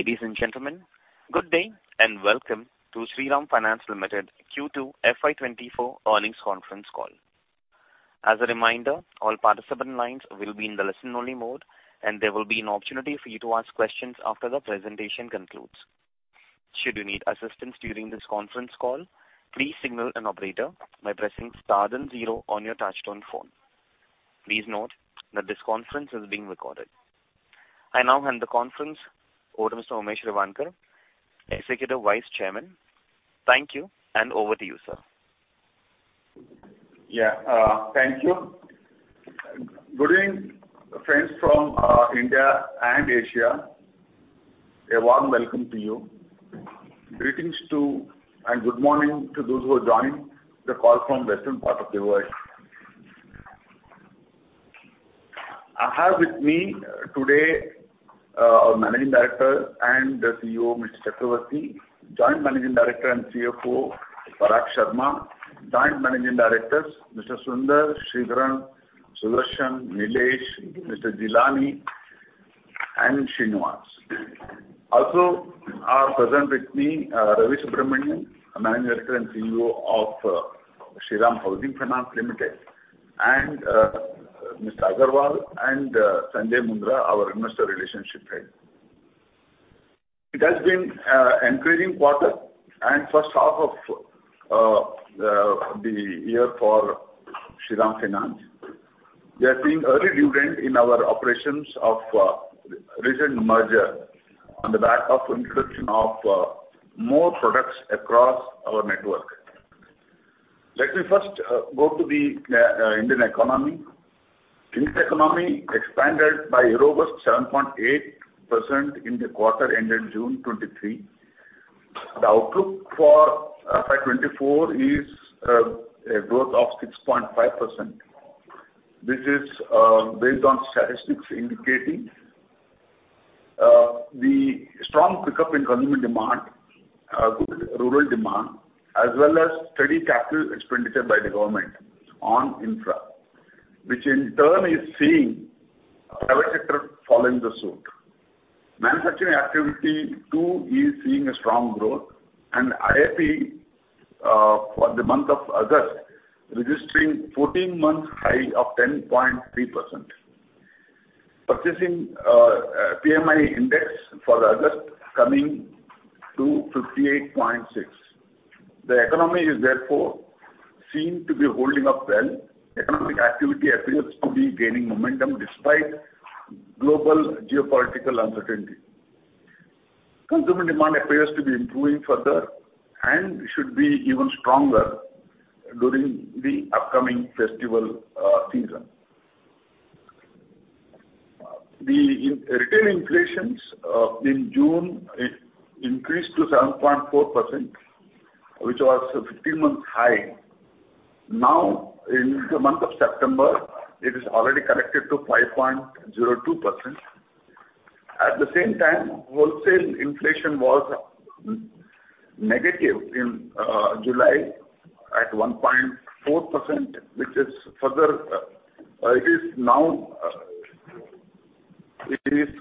Ladies and gentlemen, good day, and welcome to Shriram Finance Limited Q2 FY 2024 earnings conference call. As a reminder, all participant lines will be in the listen-only mode, and there will be an opportunity for you to ask questions after the presentation concludes. Should you need assistance during this conference call, please signal an operator by pressing star then zero on your touchtone phone. Please note that this conference is being recorded. I now hand the conference over to Mr. Umesh Revankar, Executive Vice Chairman. Thank you, and over to you, sir. Yeah, thank you. Good evening, friends from India and Asia. A warm welcome to you. Greetings to, and good morning to those who have joined the call from western part of the world. I have with me today our Managing Director and CEO, Mr. Chakravarti, Joint Managing Director and CFO, Parag Sharma, Joint Managing Directors, Mr. Sunder, Sridharan, Sudarshan, Nilesh, Mr. Jilani, and Srinivas. Also, are present with me Ravi Subramanian, Managing Director and CEO of Shriram Housing Finance Limited, and Mr. Agarwal and Sanjay Mundra, our Investor Relations Head. It has been increasing quarter and first half of the year for Shriram Finance. We are seeing early dividend in our operations of recent merger on the back of inclusion of more products across our network. Let me first go to the Indian economy. Indian economy expanded by robust 7.8% in the quarter ended June 2023. The outlook for FY 2024 is a growth of 6.5%. This is based on statistics indicating the strong pickup in consumer demand, good rural demand, as well as steady capital expenditure by the government on infra, which in turn is seeing private sector following the suit. Manufacturing activity, too, is seeing a strong growth, and IIP for the month of August registering 14 months high of 10.3%. Purchasing PMI index for August coming to 58.6. The economy is therefore seen to be holding up well. Economic activity appears to be gaining momentum despite global geopolitical uncertainty. Consumer demand appears to be improving further and should be even stronger during the upcoming festival season. The Indian retail inflation in June increased to 7.4%, which was a 15-month high. Now, in the month of September, it is already corrected to 5.02%. At the same time, wholesale inflation was negative in July at 1.4%, which is further, it is now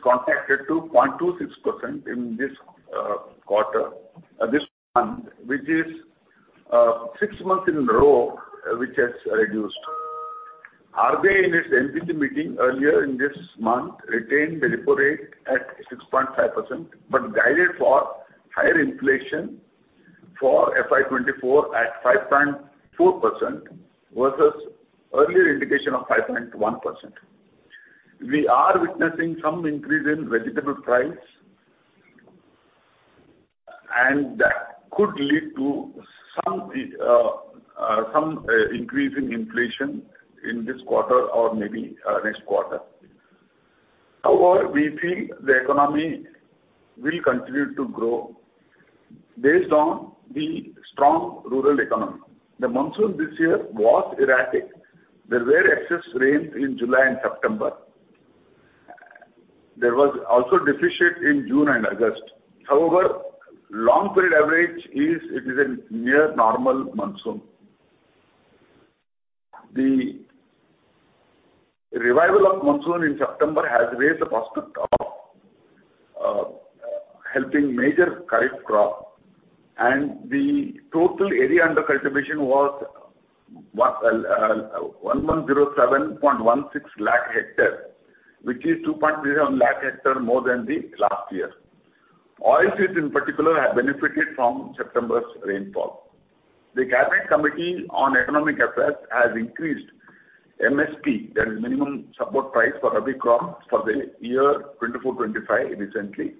contracted to 0.26% in this quarter, this month, which is six months in a row, which has reduced. RBI, in its MPC meeting earlier in this month, retained the repo rate at 6.5%, but guided for higher inflation for FY 2024 at 5.4% versus earlier indication of 5.1%. We are witnessing some increase in vegetable price, and that could lead to some increase in inflation in this quarter or maybe next quarter. However, we think the economy will continue to grow based on the strong rural economy. The monsoon this year was erratic. There were excess rain in July and September. There was also deficit in June and August. However, long period average is it is a near normal monsoon. The revival of monsoon in September has raised the prospect of helping major Kharif crop, and the total area under cultivation was 1,107.16 lakh hectares, which is 2.0 lakh hectares more than the last year. Oilseeds in particular have benefited from September's rainfall. The Cabinet Committee on Economic Affairs has increased MSP, that is minimum support price, for Rabi crop for the year 2024-25 recently,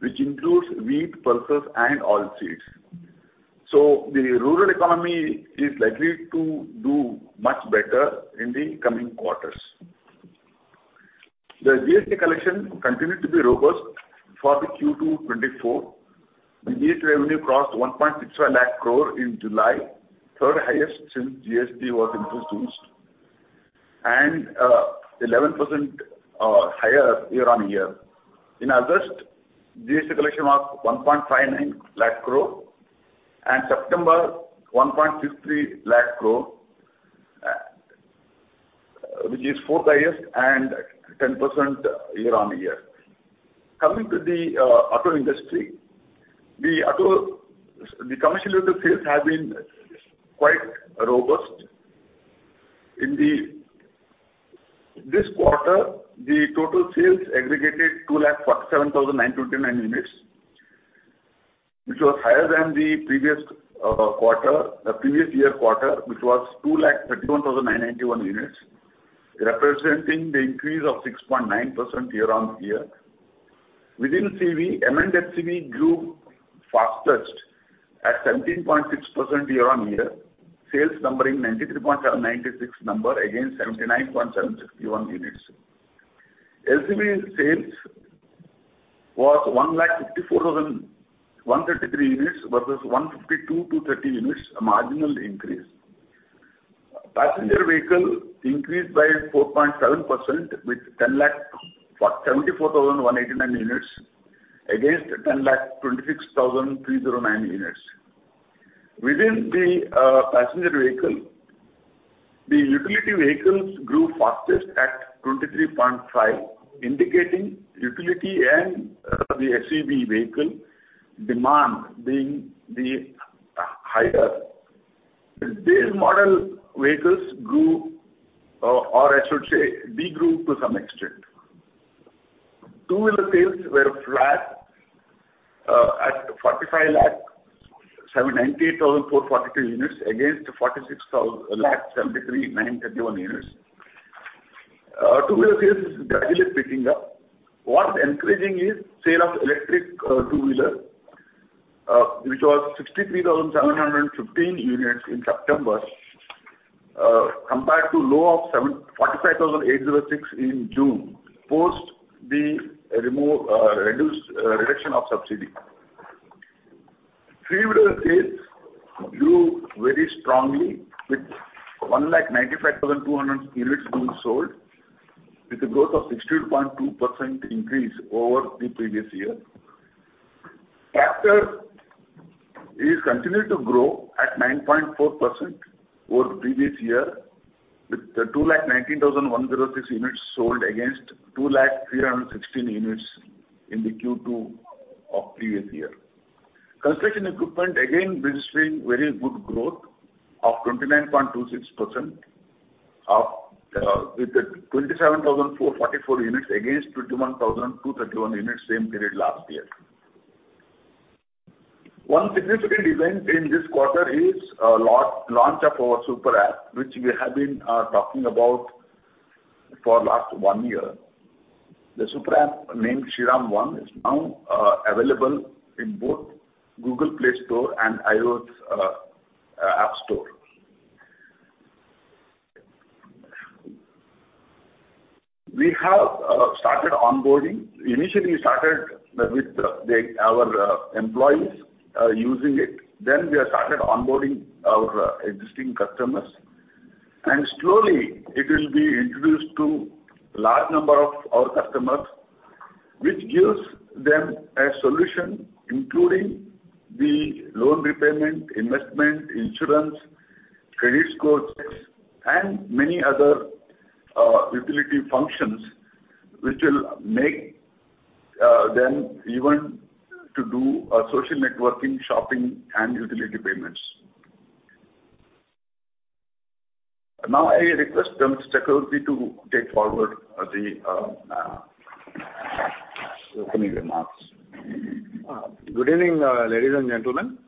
which includes wheat, pulses, and oilseeds. So the rural economy is likely to do much better in the coming quarters. The GST collection continued to be robust for the Q2 2024. The GST revenue crossed 160,000 crore in July, third highest since GST was introduced, and 11% higher year-on-year. In August, GST collection was 159,000 crore, and September, 163,000 crore, which is fourth highest and 10% year-on-year. Coming to the auto industry, the commercial vehicle sales have been quite robust. In this quarter, the total sales aggregated 2,07,929 units, which was higher than the previous quarter, the previous year quarter, which was 2,31,991 units, representing the increase of 6.9% year-on-year. Within CV, M&HCV grew fastest at 17.6% year-on-year, sales numbering 93,996 against 79,761 units. LCV sales was 1,54,133 units versus 1,52,230 units, a marginal increase. Passenger vehicle increased by 4.7% with 10,74,189 units against 10,26,309 units. Within the passenger vehicle, the utility vehicles grew fastest at 23.5%, indicating utility and the SUV vehicle demand being the higher. This model vehicles grew, or I should say, declined to some extent. Two-wheeler sales were flat at 45,98,442 units, against 46,73,931 units. Two-wheeler sales is gradually picking up. What's encouraging is sale of electric two-wheeler, which was 63,715 units in September, compared to low of 45,806 in June, post the reduction of subsidy. Three-wheeler sales grew very strongly, with 1,95,200 units being sold, with a growth of 60.2% increase over the previous year. Tractor is continued to grow at 9.4% over the previous year, with 2,19,106 units sold against 2,00,316 units in the Q2 of previous year. Construction equipment, again, registering very good growth of 29.26%, of, with the 27,444 units against 21,231 units, same period last year. One significant event in this quarter is, launch of our super app, which we have been, talking about for last one year. The super app, named Shriram One, is now, available in both Google Play Store and iOS App Store. We have, started onboarding. Initially, we started with the, the, our, employees, using it. Then we have started onboarding our existing customers, and slowly it will be introduced to large number of our customers, which gives them a solution, including the loan repayment, investment, insurance, credit scores, and many other, utility functions, which will make, them even to do, social networking, shopping, and utility payments. Now, I request Mr. Y. S. Chakravarti to take forward the opening remarks. Good evening, ladies and gentlemen.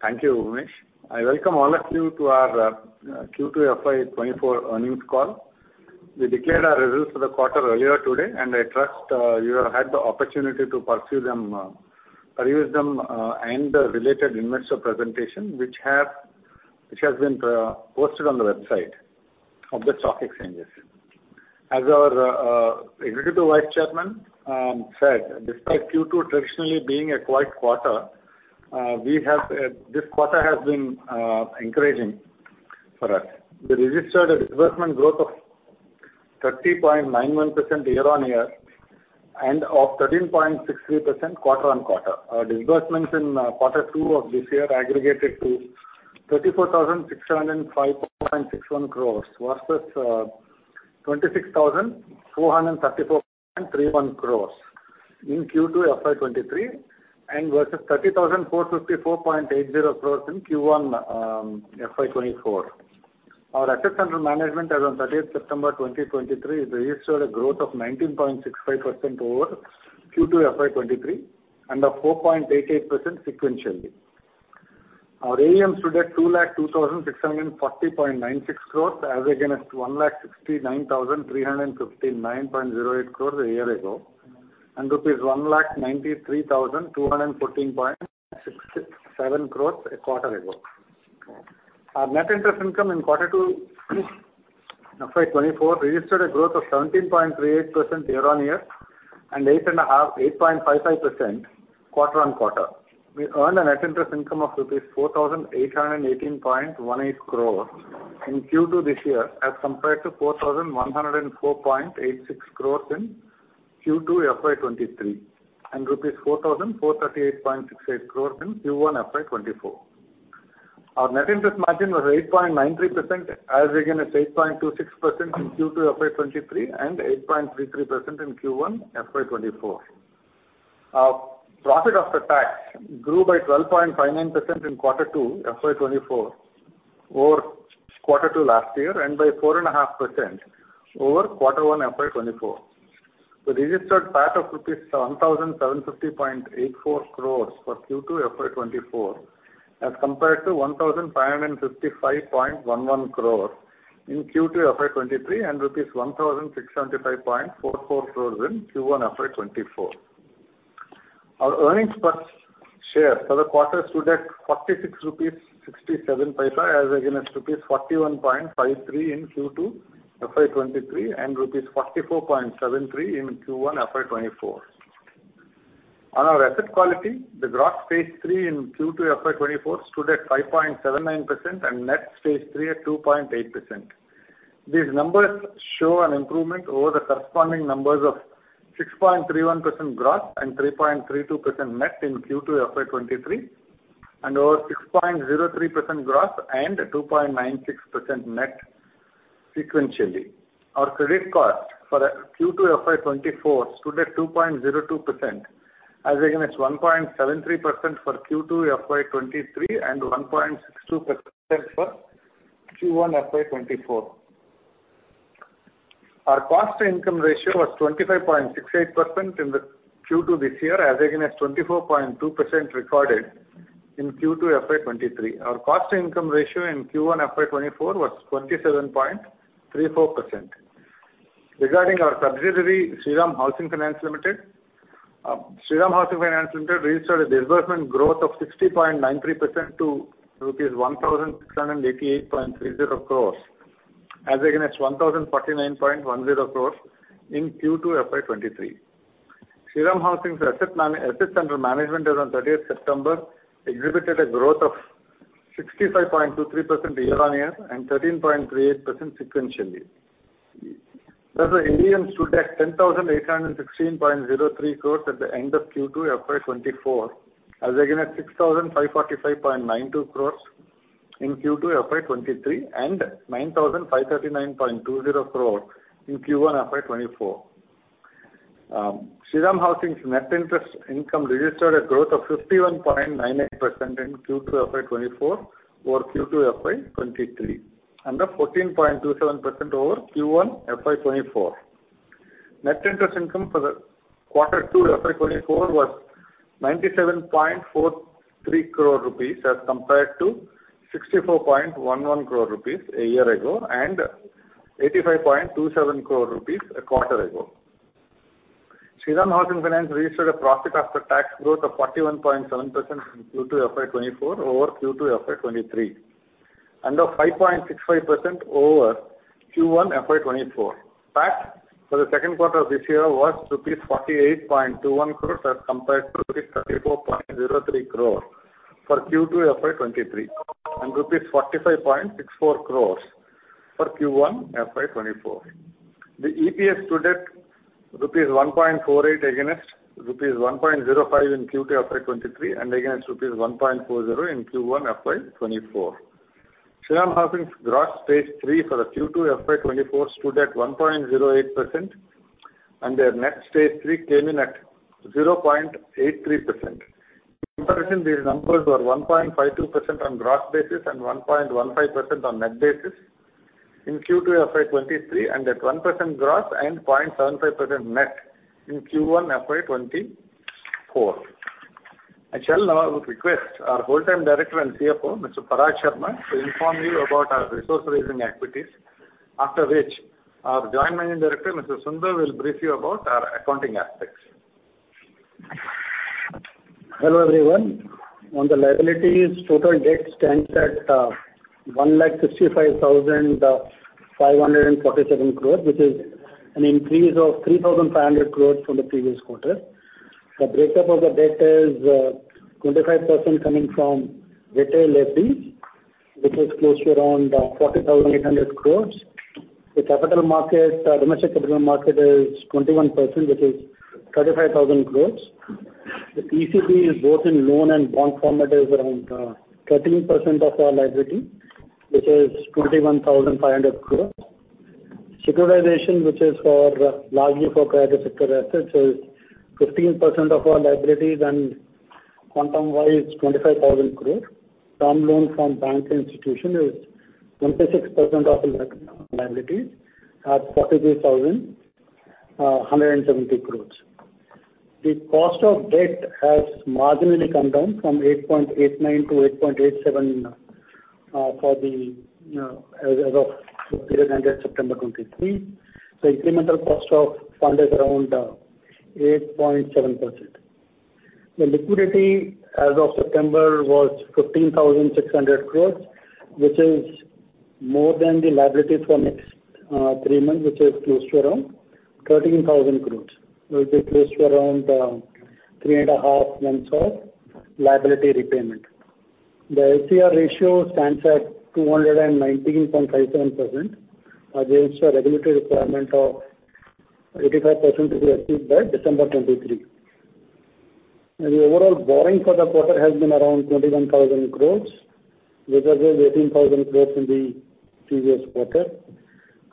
Thank you, Umesh. I welcome all of you to our Q2 FY 2024 earnings call. We declared our results for the quarter earlier today, and I trust you have had the opportunity to peruse them, review them, and the related investor presentation, which has been posted on the website of the stock exchanges. As our Executive Vice Chairman said, despite Q2 traditionally being a quiet quarter, we have this quarter has been encouraging for us. We registered a disbursement growth of 30.91% year-on-year and of 13.63% quarter-on-quarter. Our disbursements in quarter two of this year aggregated to 34,605.61 crore, versus 26,434.31 crore in Q2 FY 2023, and versus 30,454.80 crore in Q1 FY 2024. Our assets under management, as on 30th September 2023, registered a growth of 19.65% over Q2 FY 2023 and of 4.88% sequentially. Our AUM stood at 202,640.96 crore, as against 169,359.08 crore a year ago, and rupees 193,214.67 crore a quarter ago. Our net interest income in quarter two FY 2024 registered a growth of 17.38% year-on-year and 8.55% quarter-on-quarter. We earned a net interest income of rupees 4,818.18 crore in Q2 this year, as compared to 4,104.86 crore in Q2 FY 2023, and rupees 4,438.68 crore in Q1 FY 2024. Our net interest margin was 8.93%, as against 8.26% in Q2 FY 2023, and 8.33% in Q1 FY 2024. Our profit after tax grew by 12.59% in quarter two FY 2024 over quarter two last year, and by 4.5% over quarter one FY 2024. We registered PAT of rupees 1,750.84 crore for Q2 FY 2024, as compared to 1,555.11 crore in Q2 FY 2023, and rupees 1,675.44 crore in Q1 FY 2024. Our earnings per share for the quarter stood at 46.67 rupees, as against rupees 41.53 in Q2 FY 2023, and rupees 44.73 in Q1 FY 2024. On our asset quality, the gross Stage Three in Q2 FY 2024 stood at 5.79% and net Stage Three at 2.8%. These numbers show an improvement over the corresponding numbers of 6.31% gross and 3.32% net in Q2 FY 2023, and over 6.03% gross and 2.96% net sequentially. Our credit cost for the Q2 FY 2024 stood at 2.02%, as against 1.73% for Q2 FY 2023, and 1.62% for Q1 FY 2024. Our cost to income ratio was 25.68% in the Q2 this year, as against 24.2% recorded in Q2 FY 2023. Our cost to income ratio in Q1 FY 2024 was 27.34%. Regarding our subsidiary, Shriram Housing Finance Limited, Shriram Housing Finance Limited registered a disbursement growth of 60.93% to rupees 1,688.30 crore, as against 1,049.10 crore in Q2 FY 2023. Shriram Housing's assets under management as on thirtieth September exhibited a growth of 65.23% year-on-year and 13.38% sequentially. Thus, the AUM stood at 10,816.03 crore at the end of Q2 FY 2024, as against 6,545.92 crore in Q2 FY 2023, and 9,539.20 crore in Q1 FY 2024. Shriram Housing's net interest income registered a growth of 51.98% in Q2 FY 2024 over Q2 FY 2023, and a 14.27% over Q1 FY 2024. Net interest income for the quarter two FY 2024 was 97.43 crore rupees, as compared to 64.11 crore rupees a year ago, and 85.27 crore rupees a quarter ago. Shriram Housing Finance registered a profit after tax growth of 41.7% in Q2 FY 2024 over Q2 FY 2023, and of 5.65% over Q1 FY 2024. PAT for the second quarter of this year was rupees 48.21 crore, as compared to rupees 34.03 crore for Q2 FY 2023, and rupees 45.64 crore for Q1 FY 2024. The EPS stood at rupees 1.48, against rupees 1.05 in Q2 FY 2023, and against rupees 1.40 in Q1 FY 2024. Shriram Housing's gross Stage Three for the Q2 FY 2024 stood at 1.08%, and their net Stage Three came in at 0.83%. Comparatively, these numbers were 1.52% on gross basis and 1.15% on net basis in Q2 FY 2023, and at 1% gross and 0.75% net in Q1 FY 2024. I shall now request our full-time Director and CFO, Mr. Parag Sharma, to inform you about our resource raising activities. After which, our Joint Managing Director, Mr. Sunder, will brief you about our accounting aspects. Hello, everyone. On the liabilities, total debt stands at 165,547 crores, which is an increase of 3,500 crores from the previous quarter. The breakup of the debt is 25% coming from retail FD, which is close to around 40,800 crores. The capital market, domestic capital market is 21%, which is 35,000 crores. The ECB is both in loan and bond format, is around 13% of our liability, which is 21,500 crores. Securitization, which is for, largely for private sector assets, is 15% of our liabilities, and quantum-wise, 25,000 crores. Term loan from bank institution is 26% of the liabilities, at 43,170 crores. The cost of debt has marginally come down from 8.89 to 8.87, for the, as of the period ended September 2023. The incremental cost of fund is around, 8.7%. The liquidity as of September was 15,600 crore, which is more than the liability for next, three months, which is close to around 13,000 crore, which is close to around, three and a half months of liability repayment. The LCR ratio stands at 219.57%, against the regulatory requirement of 85% to be achieved by December 2023. The overall borrowing for the quarter has been around 21,000 crore, which was 18,000 crore in the previous quarter.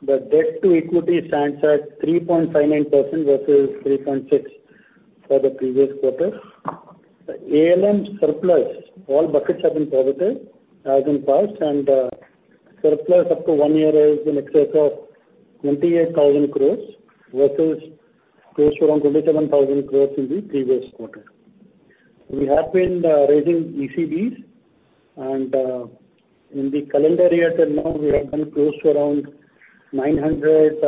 The debt to equity stands at 3.59% versus 3.6% for the previous quarter. The ALM surplus, all buckets have been positive as in past, and surplus up to one year is in excess of 28,000 crore versus close to around 27,000 crore in the previous quarter. We have been raising ECBs, and in the calendar year till now, we have done close to around $980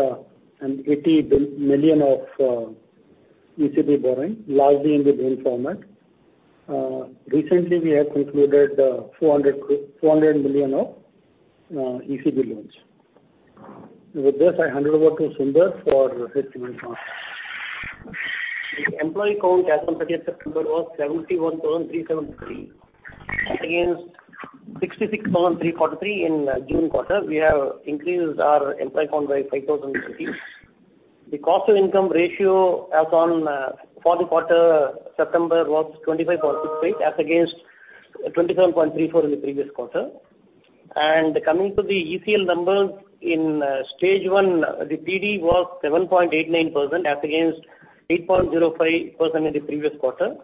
million of ECB borrowing, largely in the green format. Recently, we have concluded $400 million of ECB loans. With this, I hand over to Sunder for his remarks. The employee count as on 30 September was 71,373, against 66,343 in June quarter. We have increased our employee count by 5,003. The cost to income ratio as on, for the quarter September was 25.68, as against 27.34 in the previous quarter. Coming to the ECL numbers, in stage one, the PD was 7.89% as against 8.05% in the previous quarter.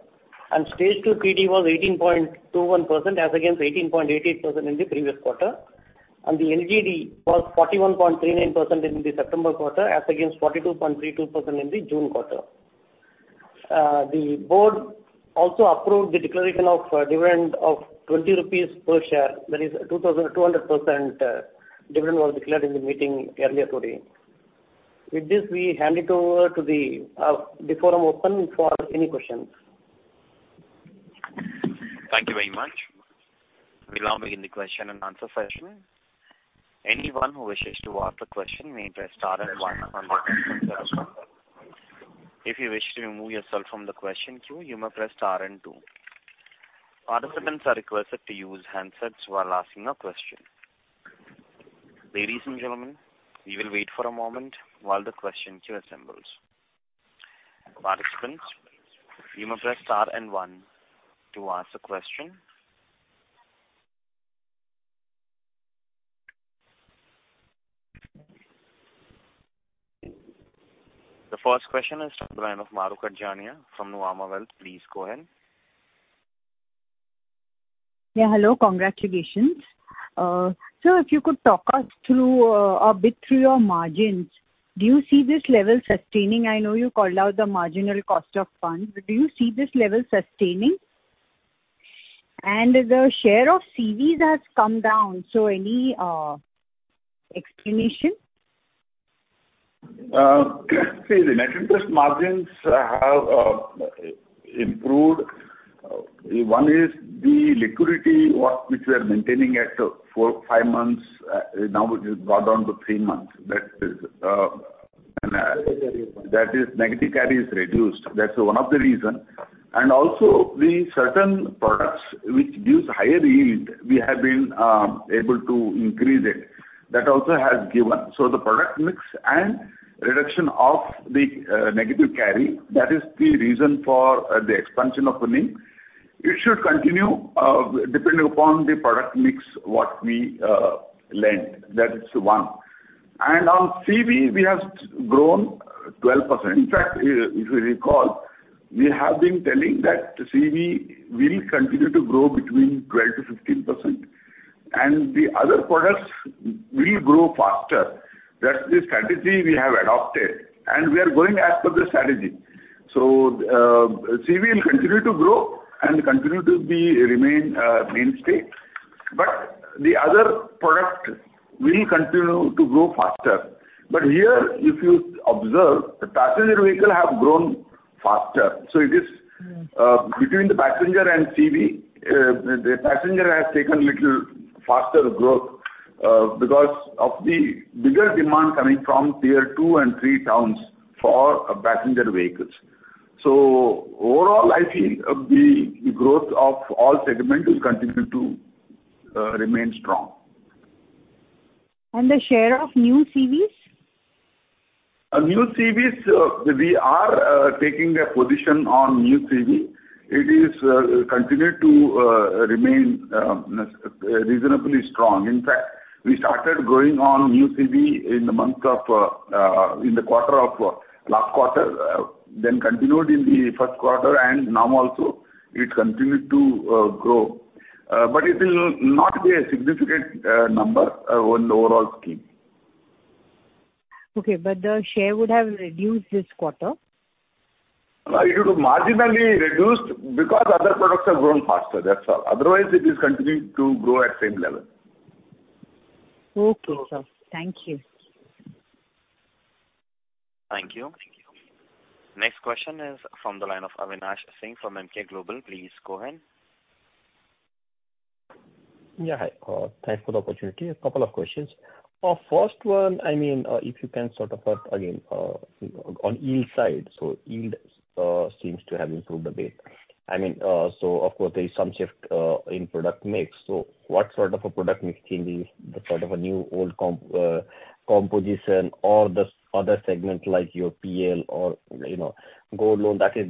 Stage two PD was 18.21% as against 18.88% in the previous quarter. The LGD was 41.39% in the September quarter, as against 42.32% in the June quarter. The board also approved the declaration of dividend of 20 rupees per share. That is 2,200%, dividend was declared in the meeting earlier today. With this, we hand it over to the forum, open for any questions. Thank you very much. We now begin the question-and-answer session. Anyone who wishes to ask a question may press star and one on their phone. If you wish to remove yourself from the question queue, you may press star and two. Participants are requested to use handsets while asking a question. Ladies and gentlemen, we will wait for a moment while the question queue assembles. Participants, you may press star and one to ask a question. The first question is from the line of Mahrukh Adajania from Nuvama Wealth. Please go ahead. Yeah, hello. Congratulations. So if you could talk us through a bit through your margins, do you see this level sustaining? I know you called out the marginal cost of funds, but do you see this level sustaining? And the share of CVs has come down, so any explanation? See, the net interest margins have improved. One is the liquidity which we are maintaining at four to five months, now it is got down to three months. That is, that is negative carry is reduced. That's one of the reason. Also, the certain products which gives higher yield, we have been able to increase it. That also has given. So the product mix and reduction of the negative carry, that is the reason for the expansion of the NIM. It should continue depending upon the product mix, what we lend. That is one. And on CV, we have grown 12%. In fact, if you recall, we have been telling that CV will continue to grow between 12%-15%, and the other products will grow faster. That's the strategy we have adopted, and we are going as per the strategy. So, CV will continue to grow and continue to be remain, mainstay, but the other product will continue to grow faster. But here, if you observe, the passenger vehicle have grown faster. So it is. Mm. Between the passenger and CV, the passenger has taken little faster growth, because of the bigger demand coming from tier two and three towns for passenger vehicles. So overall, I feel, the growth of all segment will continue to remain strong. The share of new CVs? New CVs, we are taking a position on new CV. It is continued to remain reasonably strong. In fact, we started growing on new CV in the quarter of last quarter, then continued in the first quarter, and now also it continued to grow. But it will not be a significant number on the overall scheme. Okay, but the share would have reduced this quarter? It would have marginally reduced because other products have grown faster. That's all. Otherwise, it is continuing to grow at same level. Okay, sir. Okay. Thank you. Thank you. Next question is from the line of Avinash Singh from Emkay Global. Please go ahead. Yeah, hi, thanks for the opportunity. A couple of questions. First one, I mean, if you can sort of, again, on, on yield side. So yield seems to have improved a bit. I mean, so of course there is some shift in product mix. So what sort of a product mix change is the sort of a new, old comp, composition or the other segment, like your PL or, you know, gold loan that is,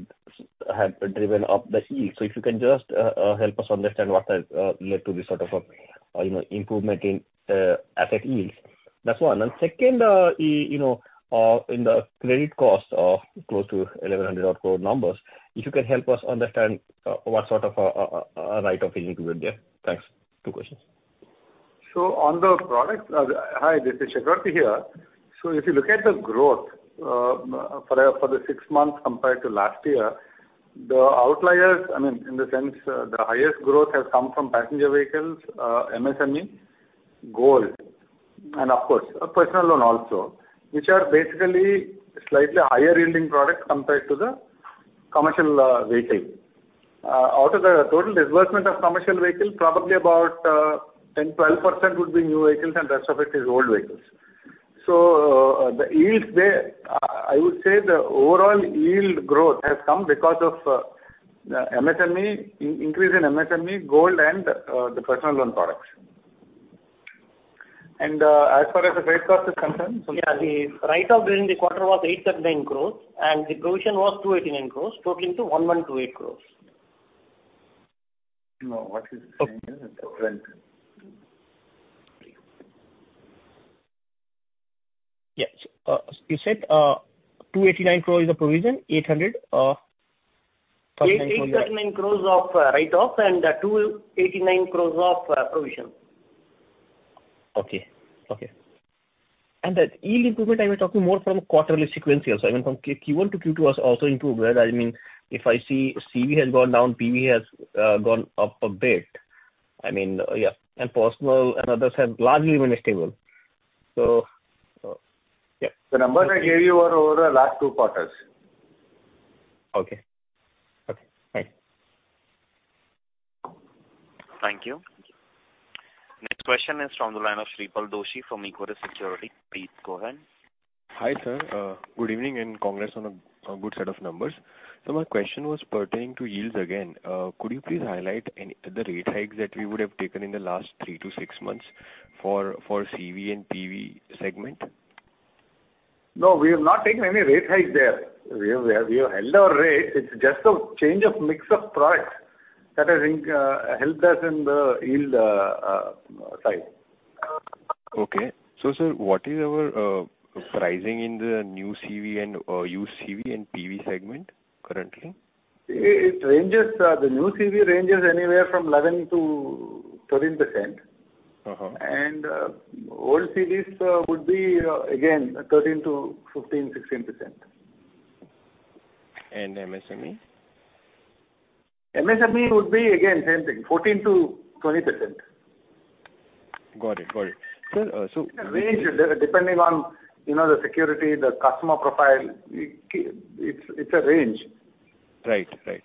have driven up the yield? So if you can just, help us understand what has led to this sort of, you know, improvement in asset yields. That's one. And second, you know, in the credit cost of close to 1,100 crore numbers, if you can help us understand, what sort of write-off is included there? Thanks. Two questions. So on the product. Hi, this is Chakravarti here. If you look at the growth, for the six months compared to last year, the outliers, I mean, in the sense, the highest growth has come from passenger vehicles, MSME, gold, and of course, a personal loan also, which are basically slightly higher-yielding products compared to the commercial vehicle. Out of the total disbursement of commercial vehicles, probably about ten, twelve percent would be new vehicles, and rest of it is old vehicles. So, the yields there, I would say the overall yield growth has come because of the MSME, increase in MSME, gold and the personal loan products. As far as the rate cost is concerned, yeah, the write-off during the quarter was 809 crore, and the provision was 289 crore, totaling to 1,128 crore. No, what is the current? Yes. You said, 289 crore is a provision, 800,000 crore- 889 crore of write-off and 289 crore of provision. Okay. Okay. And that yield improvement, I was talking more from a quarterly sequential, so I mean, from Q1 to Q2 has also improved, where I mean, if I see CV has gone down, PV has gone up a bit. I mean, yeah, and personal and others have largely remained stable. So, yeah. The numbers I gave you were over the last two quarters. Okay. Okay, thanks. Thank you. Next question is from the line of Shreepal Doshi from Equirus Securities. Please go ahead. Hi, sir. Good evening, and congrats on a good set of numbers. So my question was pertaining to yields again. Could you please highlight any, the rate hikes that we would have taken in the last three to six months for, for CV and PV segment? No, we have not taken any rate hike there. We have, we have held our rate. It's just a change of mix of products that I think helped us in the yield side. Okay. So, sir, what is our pricing in the new CV and used CV and PV segment currently? It ranges, the new CV ranges anywhere from 11%-13%. Uh-huh. Old CVs would be again 13%-15%, 16%. And MSME? MSME would be, again, same thing, 14%-20%. Got it, got it. Sir, Range, depending on, you know, the security, the customer profile. It's a range. Right. Right.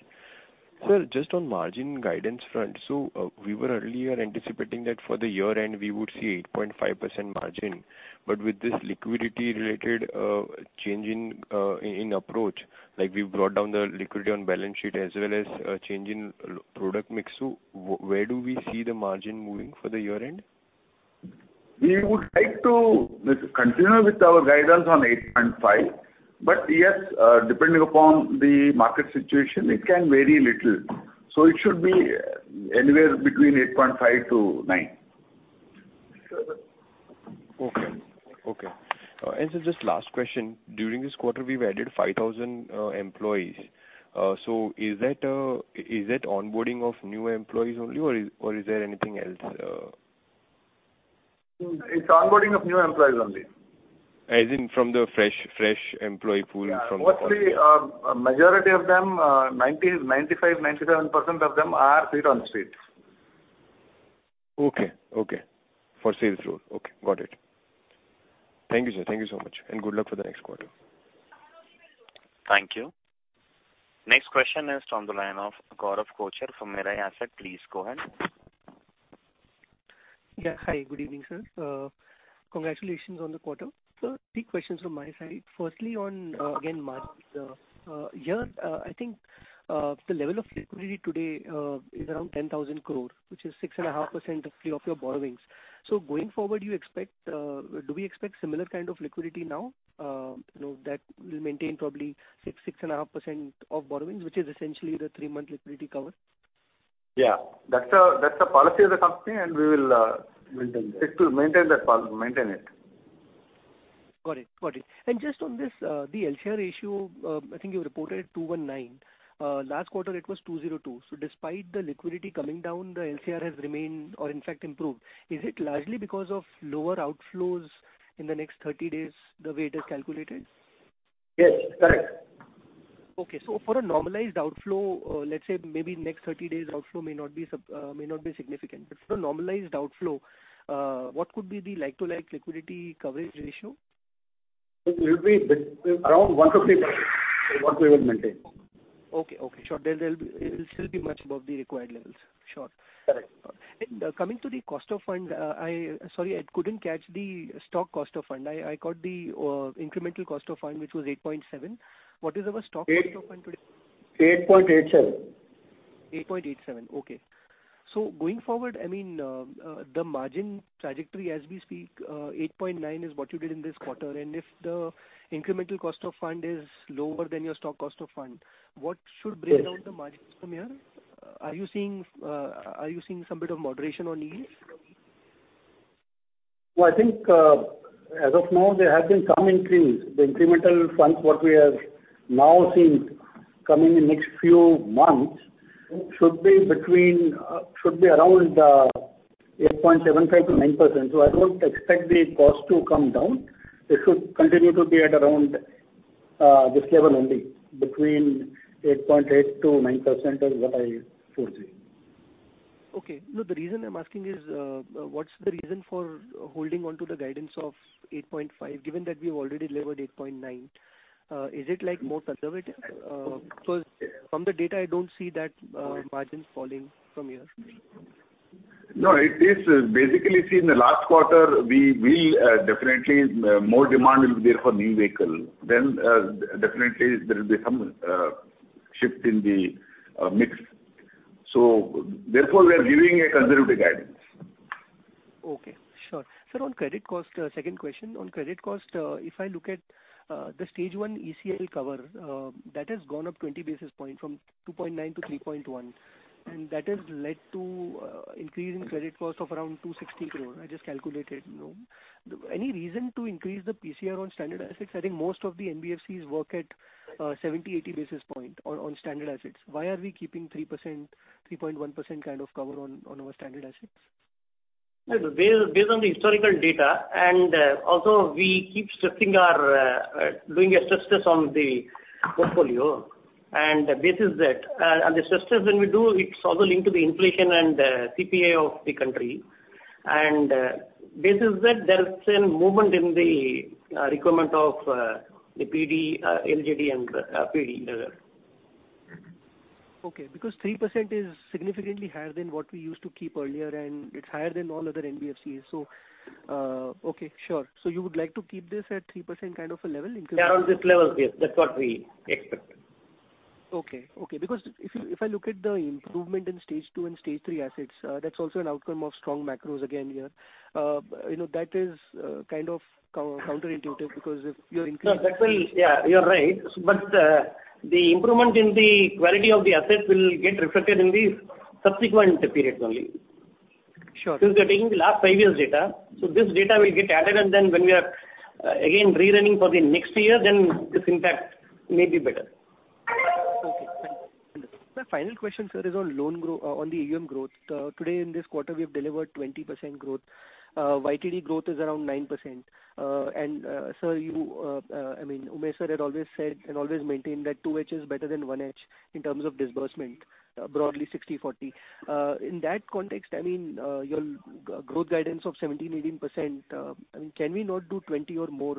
Sir, just on margin guidance front, so we were earlier anticipating that for the year-end, we would see 8.5% margin, but with this liquidity-related change in approach, like we brought down the liquidity on balance sheet as well as change in product mix. So where do we see the margin moving for the year-end? We would like to continue with our guidance on 8.5, but yes, depending upon the market situation, it can vary little. So it should be anywhere between 8.5-9. Okay. Okay. So just last question, during this quarter, we've added 5,000 employees. So is that onboarding of new employees only, or is there anything else? It's onboarding of new employees only. As in from the fresh employee pool from. Mostly, majority of them, 90, 95, 97% of them are feet on street. Okay, okay. For sales role. Okay, got it. Thank you, sir. Thank you so much, and good luck for the next quarter. Thank you. Next question is from the line of Gaurav Kochar from Mirae Asset. Please go ahead. Yeah, hi, good evening, sir. Congratulations on the quarter. Sir, three questions from my side. Firstly, on again, margins. Here, I think, the level of liquidity today is around 10,000 crore, which is 6.5% of your borrowings. So going forward, do you expect, do we expect similar kind of liquidity now, you know, that will maintain probably six, 6.5% of borrowings, which is essentially the three-month liquidity cover? Yeah, that's a policy of the company, and we will. Maintain that. It will maintain that maintain it. Got it. Got it. And just on this, the LCR ratio, I think you reported 219. Last quarter, it was 202. So despite the liquidity coming down, the LCR has remained or in fact improved. Is it largely because of lower outflows in the next 30 days, the way it is calculated? Yes, correct. Okay, so for a normalized outflow, let's say maybe next 30 days, outflow may not be may not be significant. But for a normalized outflow, what could be the like-to-like liquidity coverage ratio? It will be around 1%-3% what we will maintain. Okay, okay, sure. Then there'll be, it will still be much above the required levels. Sure. Correct. Coming to the cost of funds, sorry, I couldn't catch the stock cost of fund. I caught the incremental cost of fund, which was 8.7. What is our stock cost of fund today? 8.87. 8.87%. Okay. So going forward, I mean, the margin trajectory as we speak, 8.9% is what you did in this quarter. And if the incremental cost of fund is lower than your stock cost of fund, what should break down the margin from here? Are you seeing some bit of moderation on yields? Well, I think, as of now, there has been some increase. The incremental funds, what we have now seen coming in next few months, should be between, should be around, 8.75%-9%. So I don't expect the cost to come down. It should continue to be at around, this level only, between 8.8%-9% is what I foresee. Okay. No, the reason I'm asking is, what's the reason for holding on to the guidance of 8.5%, given that we've already delivered 8.9%? Is it, like, more conservative? Because from the data, I don't see that margins falling from here. No, it is basically. See, in the last quarter, we will definitely more demand will be there for new vehicle. Then, definitely there will be some shift in the mix. So therefore, we are giving a conservative guidance. Okay. Sure. Sir, on credit cost, second question. On credit cost, if I look at the stage one ECL cover, that has gone up 20 basis points from 2.9 to 3.1, and that has led to increase in credit cost of around 260 crore. I just calculated, you know. Any reason to increase the PCR on standard assets? I think most of the NBFCs work at 70, 80 basis points on standard assets. Why are we keeping 3%, 3.1% kind of cover on our standard assets? Based on the historical data, also we keep stressing our doing a stress test on the portfolio, and this is that. The stress test when we do, it's also linked to the inflation and CPI of the country. This is that there is a movement in the requirement of the PD, LGD and PD. Okay, because 3% is significantly higher than what we used to keep earlier, and it's higher than all other NBFCs. So, okay, sure. So you would like to keep this at 3% kind of a level, increase? Around this level, yes. That's what we expect. Okay. Okay, because if I look at the improvement in stage two and stage three assets, that's also an outcome of strong macros again, here. You know, that is kind of counterintuitive, because if you're increasing- No, that will. Yeah, you're right. But, the improvement in the quality of the assets will get reflected in the subsequent periods only. Sure. Because we are taking the last five years' data, so this data will get added, and then when we are again rerunning for the next year, then this impact may be better. Okay. My final question, sir, is on loan growth on the AUM growth. Today in this quarter, we have delivered 20% growth. YTD growth is around 9%. And, sir, you, I mean, Umesh sir had always said and always maintained that 2H is better than 1H in terms of disbursement, broadly 60/40. In that context, I mean, your growth guidance of 17%-18%, I mean, can we not do 20 or more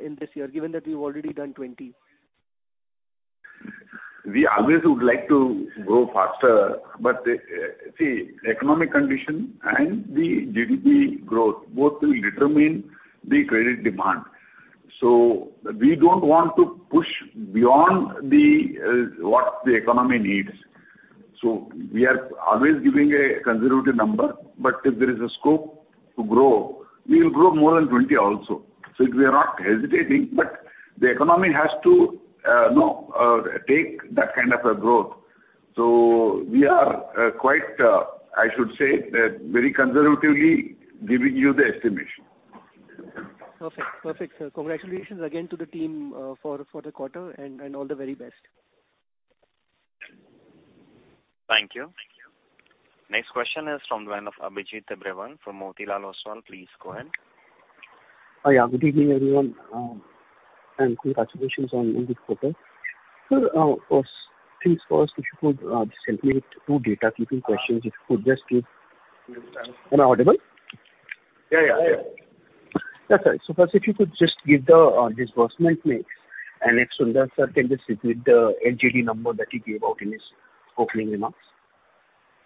in this year, given that we've already done 20? We always would like to grow faster, but see, economic condition and the GDP growth both will determine the credit demand. So we don't want to push beyond what the economy needs. So we are always giving a conservative number, but if there is a scope to grow, we will grow more than 20 also. So we are not hesitating, but the economy has to, you know, take that kind of a growth. So we are quite, I should say, very conservatively giving you the estimation. Perfect. Perfect, sir. Congratulations again to the team for the quarter and all the very best. Thank you. Next question is from the line of Abhijit Tibrewal from Motilal Oswal. Please go ahead. Yeah, good evening, everyone, and congratulations on a good quarter. Sir, first, please, first, if you could just help me with two data-keeping questions, if you could just give. Am I audible? Yeah, yeah, yeah. That's right. So first, if you could just give the disbursement mix, and if Sunder Sir can just give the LGD number that he gave out in his opening remarks.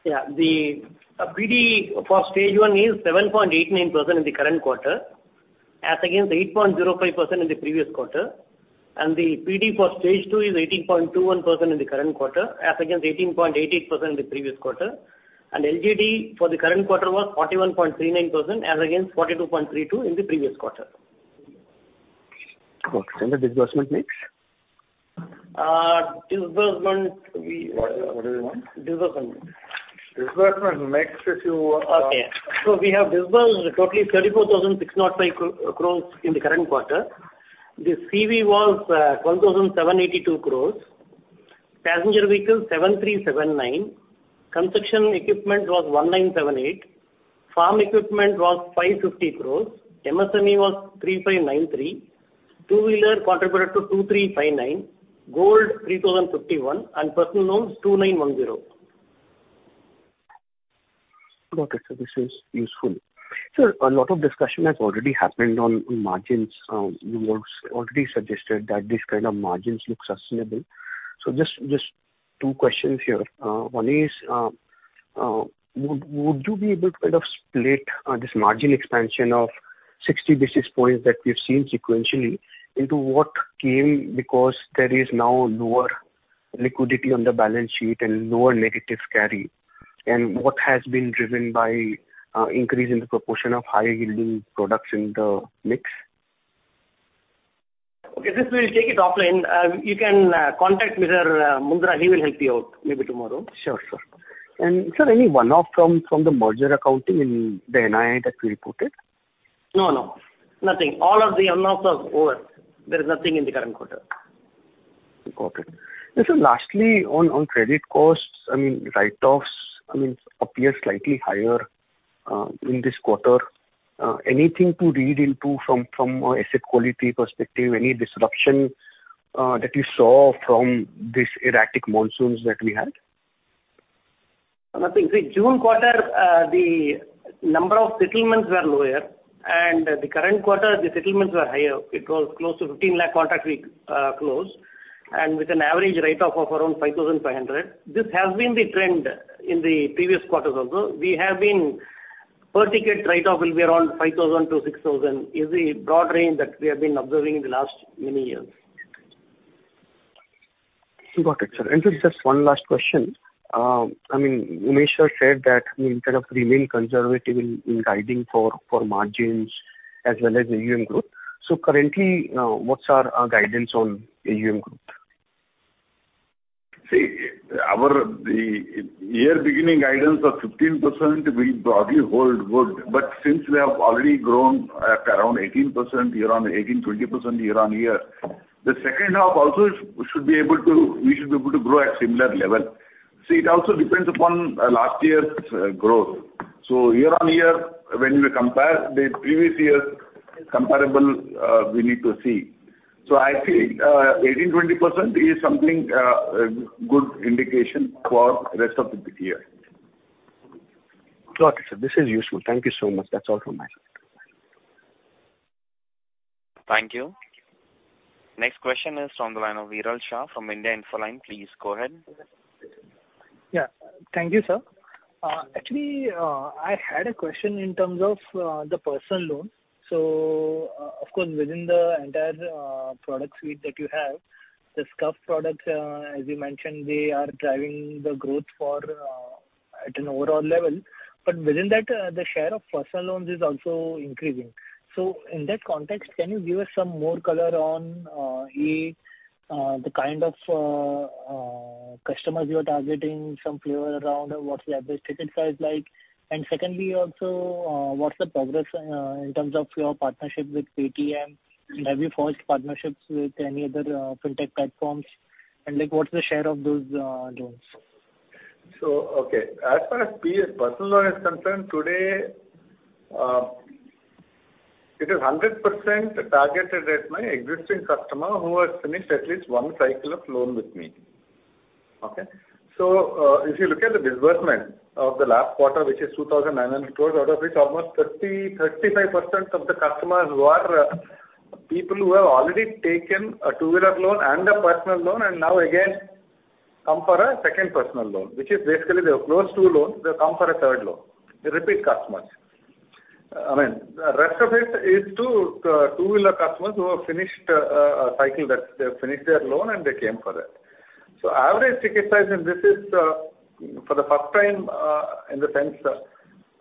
Yeah. The PD for Stage 1 is 7.89% in the current quarter, as against 8.05% in the previous quarter, and the PD for Stage 2 is 18.21% in the current quarter, as against 18.88% in the previous quarter. LGD for the current quarter was 41.39%, as against 42.32% in the previous quarter. Okay, and the disbursement mix? Disbursement. What, what is it now? Disbursement. Disbursement mix, if you, Okay. So we have disbursed totally 34,605 crores in the current quarter. The CV was 1,782 crores, passenger vehicles 7,379, construction equipment was 1,978, farm equipment was 550 crores, MSME was 3,593, two-wheeler contributed to 2,359, gold 3,051, and personal loans 2,910. Got it. So this is useful. Sir, a lot of discussion has already happened on margins. You already suggested that this kind of margins look sustainable. So just two questions here. One is, would you be able to kind of split this margin expansion of 60 basis points that we've seen sequentially, into what came because there is now lower liquidity on the balance sheet and lower negative carry, and what has been driven by increase in the proportion of higher yielding products in the mix? Okay, this we will take it offline. You can contact Mr. Mundra, he will help you out, maybe tomorrow. Sure, sure. And sir, any one-off from the merger accounting in the NII that you reported? No, no. Nothing. All of the one-offs are over. There is nothing in the current quarter. Got it. And sir, lastly, on credit costs, I mean, write-offs, I mean, appear slightly higher in this quarter. Anything to read into from an asset quality perspective, any disruption that you saw from this erratic monsoons that we had? Nothing. The June quarter, the number of settlements were lower, and the current quarter, the settlements were higher. It was close to 15 lakh contracts we closed, and with an average write-off of around 5,500. This has been the trend in the previous quarters also. We have been, per ticket write-off will be around 5,000-6,000, is the broad range that we have been observing in the last many years. Got it, sir. Just one last question. I mean, Umesh Sir said that we kind of remain conservative in guiding for margins as well as AUM growth. Currently, what's our guidance on AUM growth? See, our, the year beginning guidance of 15% will broadly hold good, but since we have already grown at around 18% year-on, 18%-20% year-on-year, the second half also should be able to... We should be able to grow at similar level. See, it also depends upon last year's growth. So year-on-year, when we compare the previous year comparable, we need to see. So I think 18%-20% is something a good indication for rest of the year. Got it, sir. This is useful. Thank you so much. That's all from my side. Thank you. Next question is on the line of Viral Shah from India Infoline. Please go ahead. Yeah. Thank you, sir. Actually, I had a question in terms of the personal loan. So, of course, within the entire product suite that you have, the SME products, as you mentioned, they are driving the growth at an overall level. But within that, the share of personal loans is also increasing. So in that context, can you give us some more color on the kind of customers you are targeting, some clarity around what's the average ticket size like? And secondly, also, what's the progress in terms of your partnership with Paytm? And have you forged partnerships with any other fintech platforms? And like, what's the share of those loans? Okay, as far as personal loan is concerned, today, it is 100% targeted at my existing customer who has finished at least one cycle of loan with me. Okay? So, if you look at the disbursement of the last quarter, which is 2,900 crore, out of which almost 30%-35% of the customers who are people who have already taken a two-wheeler loan and a personal loan, and now again, come for a second personal loan, which is basically they have closed two loans, they come for a third loan. They're repeat customers. I mean, the rest of it is to two-wheeler customers who have finished a cycle, that they have finished their loan and they came for that. So average ticket size, and this is, for the first time, in the sense that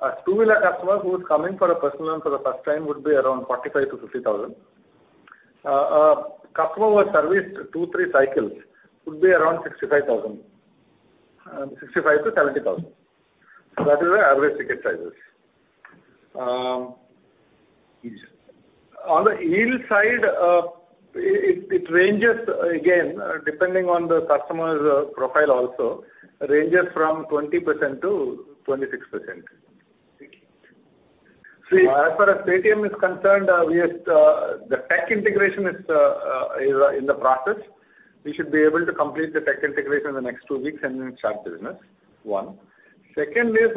a two-wheeler customer who is coming for a personal loan for the first time would be around 45,000-50,000. A customer who has serviced two, three cycles would be around 65,000, 65,000-70,000. So that is the average ticket sizes. On the yield side, it ranges again, depending on the customer's profile also, ranges from 20%-26%. Thank you. See, as far as Paytm is concerned, we are, the tech integration is in the process. We should be able to complete the tech integration in the next two weeks and then start business one. Second is,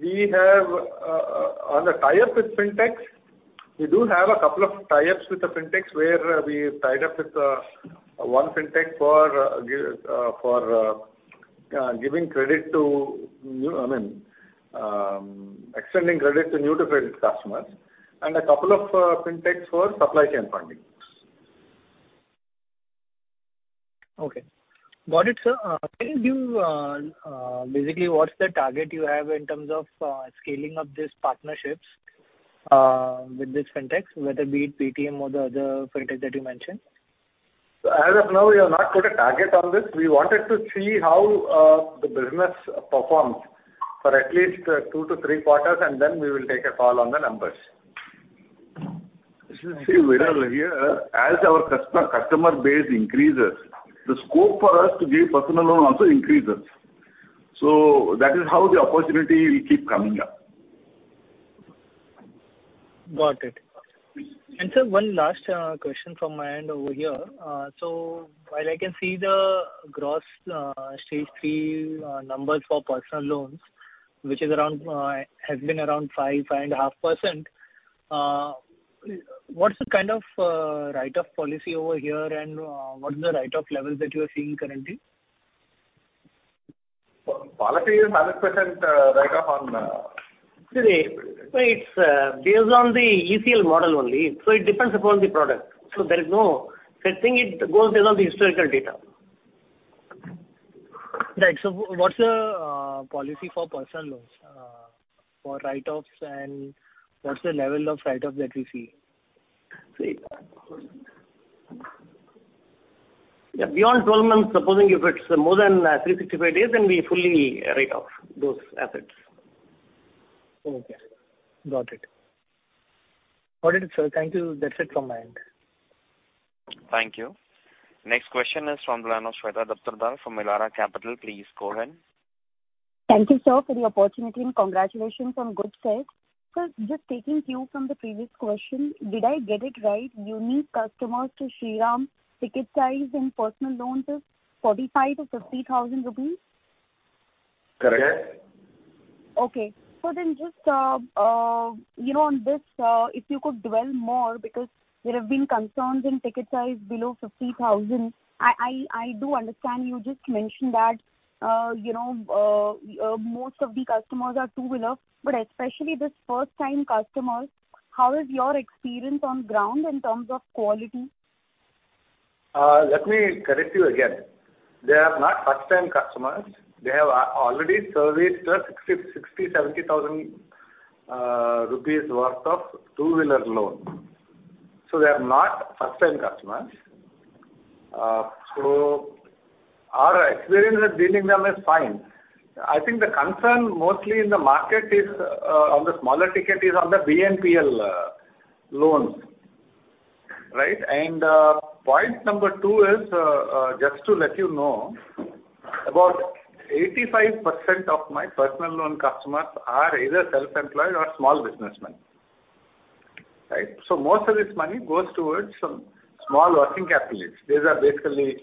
we have on the tie-up with fintechs, we do have a couple of tie-ups with the fintechs, where we tied up with one fintech for giving credit to new, I mean, extending credit to new-to-credit customers and a couple of fintechs for supply chain funding. Okay. Got it, sir. Can you give, basically, what's the target you have in terms of scaling up these partnerships with these fintechs, whether be it Paytm or the other fintech that you mentioned? So as of now, we have not put a target on this. We wanted to see how the business performs for at least two-three quarters, and then we will take a call on the numbers. See, Viral, here, as our customer base increases, the scope for us to give personal loan also increases. So that is how the opportunity will keep coming up. Got it. And sir, one last question from my end over here. So while I can see the gross stage three numbers for personal loans, which is around, has been around 5-5.5%, what's the kind of write-off policy over here, and what is the write-off levels that you are seeing currently? Policy is 100% write-off on. See, it's based on the ECL model only, so it depends upon the product. So there is no set thing, it goes based on the historical data. Right. So what's the policy for personal loans for write-offs, and what's the level of write-off that we see? See, yeah, beyond 12 months, supposing if it's more than 365 days, then we fully write off those assets. Okay, got it. Got it, sir. Thank you. That's it from my end. Thank you. Next question is from the line of Shweta Daptardar from Elara Capital. Please go ahead. Thank you, sir, for the opportunity, and congratulations on good sales. Sir, just taking cue from the previous question, did I get it right, unique customers to Shriram ticket size and personal loans is 45,000-50,000 rupees? Correct. Okay. So then just, you know, on this, if you could dwell more because there have been concerns in ticket size below 50,000. I do understand you just mentioned that, you know, most of the customers are two-wheeler, but especially this first-time customers, how is your experience on ground in terms of quality? Let me correct you again. They are not first-time customers. They have already serviced a 60-70,000 rupees worth of two-wheeler loan. So they are not first-time customers. So our experience with dealing them is fine. I think the concern mostly in the market is on the smaller ticket is on the BNPL loans, right? And point number two is just to let you know, about 85% of my personal loan customers are either self-employed or small businessmen, right? So most of this money goes towards some small working capital needs. These are basically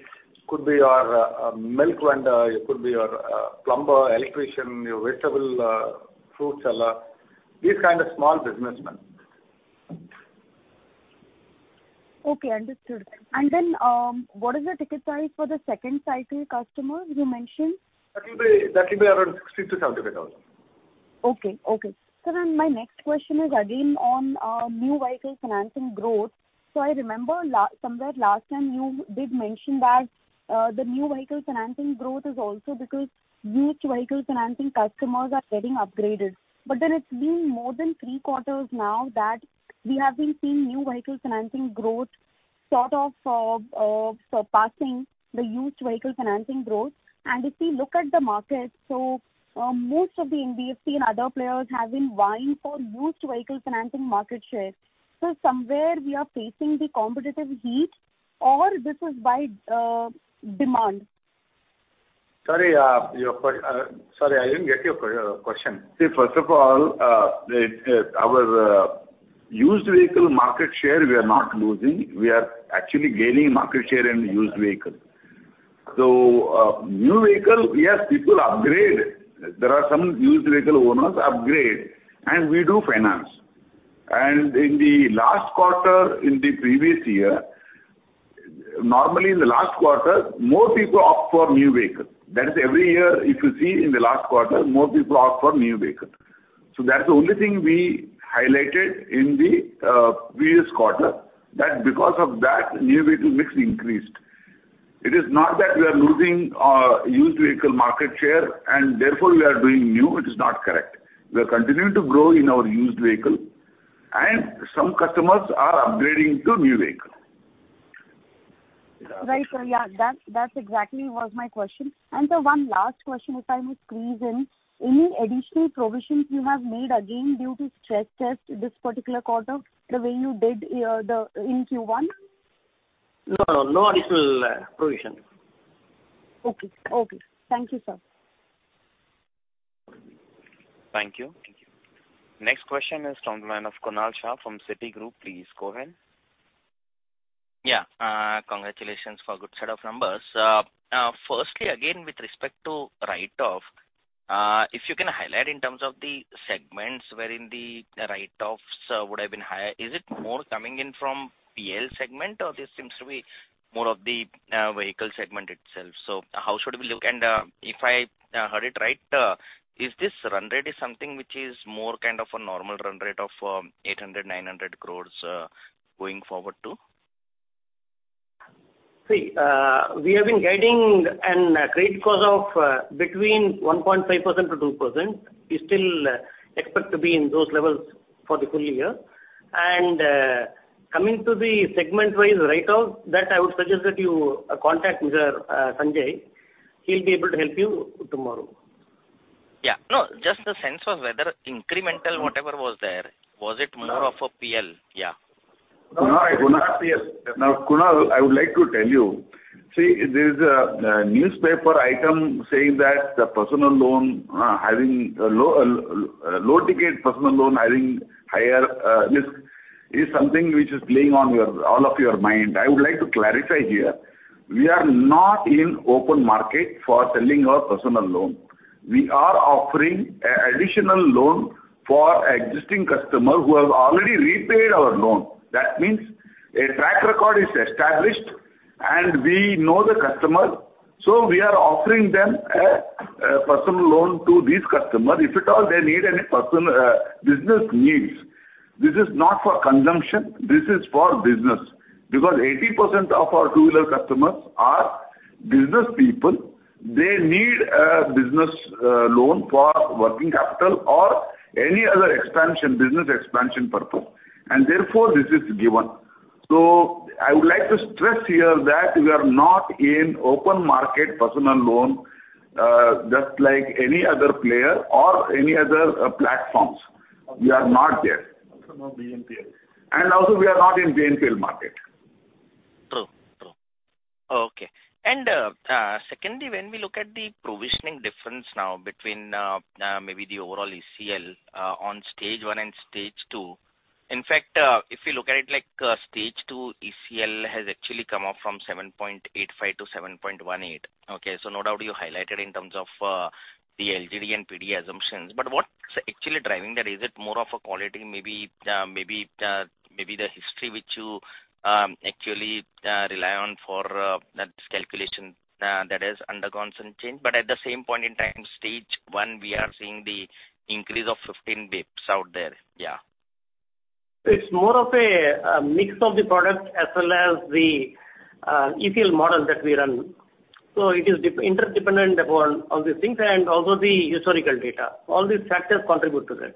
could be your milk vendor, could be your plumber, electrician, your vegetable fruit seller, these kind of small businessmen. Okay, understood. And then, what is the ticket size for the second cycle customers you mentioned? That will be around 60-70 thousand. Okay, okay. Sir, and my next question is again on new vehicle financing growth. So I remember somewhere last time you did mention that the new vehicle financing growth is also because used vehicle financing customers are getting upgraded. But then it's been more than three quarters now that we have been seeing new vehicle financing growth surpassing the used vehicle financing growth. And if we look at the market, so most of the NBFC and other players have been vying for used vehicle financing market share. So somewhere we are facing the competitive heat, or this is by demand? Sorry, I didn't get your question. See, first of all, our used vehicle market share, we are not losing. We are actually gaining market share in used vehicle. So, new vehicle, yes, people upgrade. There are some used vehicle owners upgrade, and we do finance. And in the last quarter, in the previous year, normally in the last quarter, more people opt for new vehicle. That is every year, if you see in the last quarter, more people opt for new vehicle. So that's the only thing we highlighted in the previous quarter, that because of that, new vehicle mix increased. It is not that we are losing used vehicle market share and therefore we are doing new. It is not correct. We are continuing to grow in our used vehicle, and some customers are upgrading to new vehicle. Right, sir. Yeah, that, that exactly was my question. Sir, one last question, if I may squeeze in. Any additional provisions you have made again due to stress test this particular quarter, the way you did in Q1? No, no additional provision. Okay. Okay. Thank you, sir. Thank you. Next question is from the line of Kunal Shah from Citigroup. Please go ahead. Yeah, congratulations for good set of numbers. Firstly, again, with respect to write-off, if you can highlight in terms of the segments where in the write-offs would have been higher, is it more coming in from PL segment, or this seems to be more of the vehicle segment itself? So how should we look? And, if I heard it right, is this run rate something which is more kind of a normal run rate of 800 crore-900 crore going forward, too? See, we have been guiding a credit cost of between 1.5%-2%. We still expect to be in those levels for the full year. Coming to the segment-wise write-off, I would suggest that you contact Mr. Sanjay. He'll be able to help you tomorrow. Yeah. No, just the sense of whether incremental, whatever was there, was it more of a PL? Yeah. Hi, Kunal. Yes. Now, Kunal, I would like to tell you, see, there is a newspaper item saying that the personal loan having a low ticket personal loan having higher risk is something which is playing on your, all of your mind. I would like to clarify here, we are not in open market for selling our personal loan. We are offering a additional loan for existing customer who have already repaid our loan. That means a track record is established and we know the customer, so we are offering them a personal loan to these customer, if it all, they need any personal business needs. This is not for consumption, this is for business, because 80% of our two-wheeler customers are business people. They need a business, loan for working capital or any other expansion, business expansion purpose, and therefore, this is given. So I would like to stress here that we are not in open market personal loan, just like any other player or any other, platforms. We are not there. Also not GNPL. Also we are not in GNPL market. True, true. Okay. And, secondly, when we look at the provisioning difference now between, maybe the overall ECL, on Stage 1 and Stage 2, in fact, if you look at it like, Stage 2, ECL has actually come up from 7.85 to 7.18. Okay, so no doubt you highlighted in terms of, the LGD and PD assumptions, but what's actually driving that? Is it more of a quality, maybe, maybe, maybe the history which you, actually, rely on for, that calculation, that has undergone some change. But at the same point in time, Stage 1, we are seeing the increase of 15 basis points out there. Yeah. It's more of a mix of the products as well as the ECL model that we run. So it is interdependent upon all these things and also the historical data. All these factors contribute to that.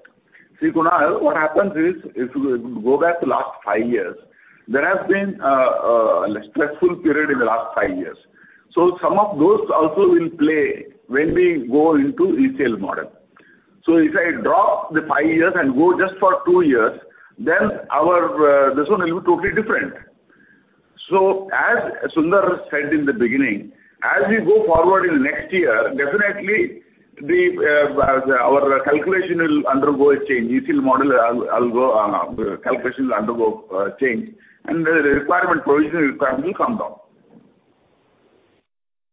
See, Kunal, what happens is, if you go back to last five years, there has been a stressful period in the last five years. So some of those also will play when we go into ECL model. So if I drop the five years and go just for two years, then our this one will be totally different. So as Sunder said in the beginning, as we go forward in next year, definitely the our calculation will undergo a change. ECL model will go, calculation will undergo change, and the requirement, provision requirement will come down.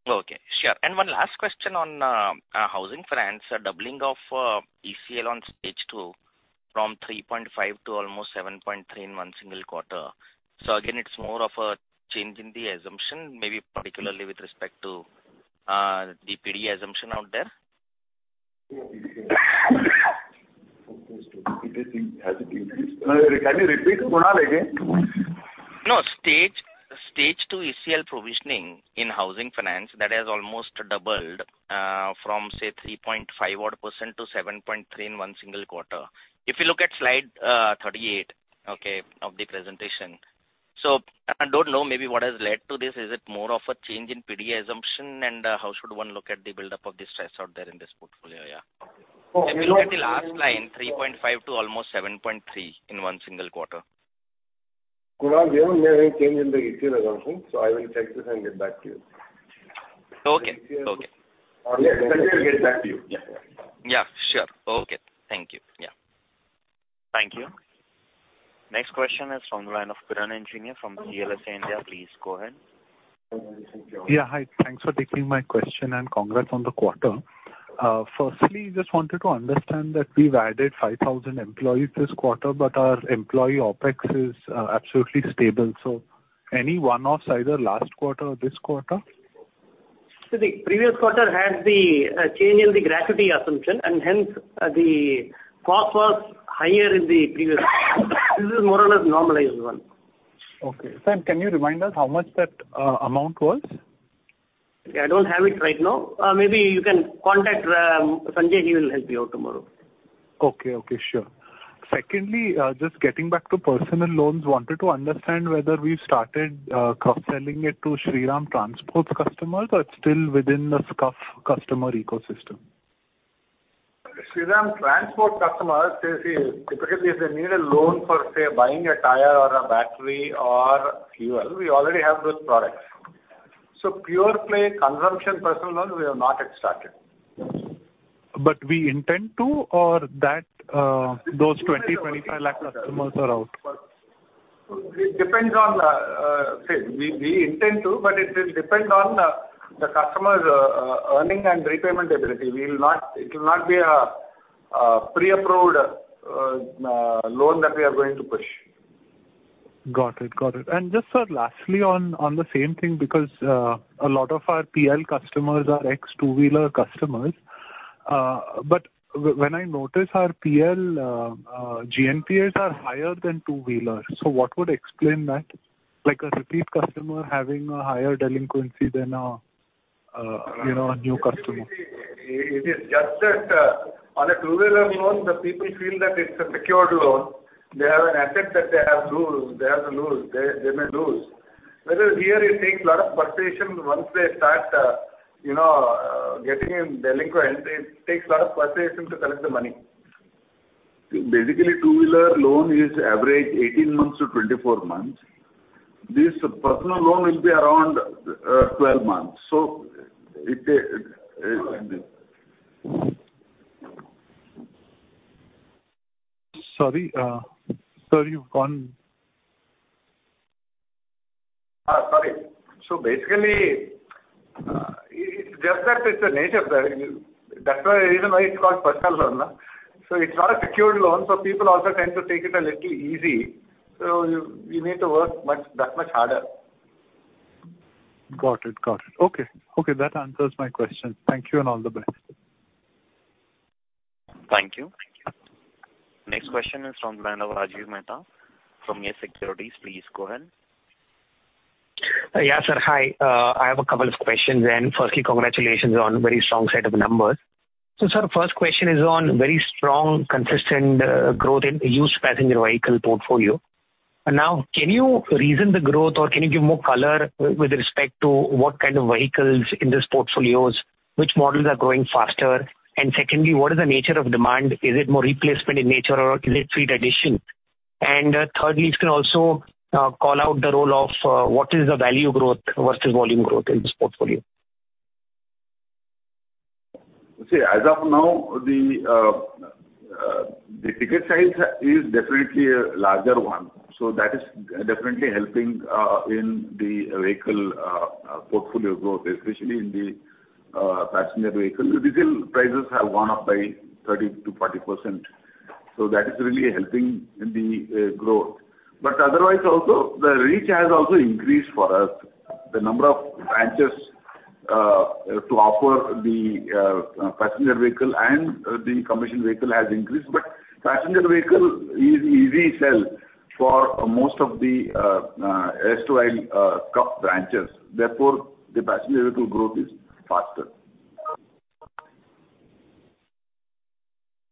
Okay, sure. And one last question on housing finance, a doubling of ECL on stage two from 3.5 to almost 7.3 in one single quarter. So again, it's more of a change in the assumption, maybe particularly with respect to the PD assumption out there? Can you repeat, Kunal, again? No, Stage 2 ECL provisioning in housing finance, that has almost doubled from, say, 3.5 odd% to 7.3% in one single quarter. If you look at slide 38, okay, of the presentation. So I don't know maybe what has led to this. Is it more of a change in PD assumption? And how should one look at the buildup of the stress out there in this portfolio, yeah? Oh. If you look at the last line, 3.5 to almost 7.3 in one single quarter. Kunal, we have made change in the ECL assumption, so I will check this and get back to you. Okay. Okay. Sanjay will get back to you. Yeah. Yeah, sure. Okay. Thank you. Yeah. Thank you. Next question is from the line of Piran Engineer from CLSA India. Please go ahead. Yeah, hi. Thanks for taking my question, and congrats on the quarter. Firstly, just wanted to understand that we've added 5,000 employees this quarter, but our employee OpEx is absolutely stable. So any one-offs either last quarter or this quarter? So the previous quarter had the change in the gratuity assumption, and hence, the cost was higher in the previous quarter. This is more or less normalized one. Okay. Sir, can you remind us how much that amount was? I don't have it right now. Maybe you can contact Sanjay. He will help you out tomorrow. Okay, okay, sure. Secondly, just getting back to personal loans, wanted to understand whether we've started, cross-selling it to Shriram Transport customers, or it's still within the SME customer ecosystem? Shriram Transport customers, they see, typically, if they need a loan for, say, buying a tire or a battery or fuel, we already have those products. So pure play consumption personal loans, we have not yet started. But we intend to, or that, those 25 lakh customers are out? It depends on the. Say, we intend to, but it will depend on the customer's earning and repayment ability. We will not. It will not be a pre-approved loan that we are going to push. Got it. Got it. And just, sir, lastly, on, on the same thing, because a lot of our PL customers are ex-two-wheeler customers, but when I notice our PL GNPLs are higher than two-wheeler. So what would explain that? Like a repeat customer having a higher delinquency than a, you know, a new customer. It is just that, on a two-wheeler loan, the people feel that it's a secured loan. They have an asset that they have lose, they have to lose, they, they may lose. Whether here it takes a lot of persuasion once they start, you know, getting in delinquent, it takes a lot of persuasion to collect the money. Basically, two-wheeler loan is average 18-24 months. This personal loan will be around 12 months. So it, it. Sorry, sir, you've gone. Sorry. So basically, it's just that it's the nature of that. That's the reason why it's called personal loan. So it's not a secured loan, so people also tend to take it a little easy. So you, you need to work much, that much harder. Got it. Got it. Okay. Okay, that answers my question. Thank you, and all the best. Thank you. Next question is from the line of Rajiv Mehta from Yes Securities. Please go ahead. Yeah, sir. Hi. I have a couple of questions then. Firstly, congratulations on very strong set of numbers. So, sir, first question is on very strong, consistent growth in used passenger vehicle portfolio. Now, can you reason the growth, or can you give more color with respect to what kind of vehicles in this portfolio, which models are growing faster? And secondly, what is the nature of demand? Is it more replacement in nature, or is it fleet addition? And thirdly, you can also call out the role of what is the value growth versus volume growth in this portfolio. See, as of now, the ticket size is definitely a larger one, so that is definitely helping in the vehicle portfolio growth, especially in the passenger vehicle. Diesel prices have gone up by 30%-40%, so that is really helping in the growth. But otherwise, also, the reach has also increased for us. The number of branches to offer the passenger vehicle and the commercial vehicle has increased, but passenger vehicle is easy sell for most of the erstwhile SCUF branches, therefore, the passenger vehicle growth is faster.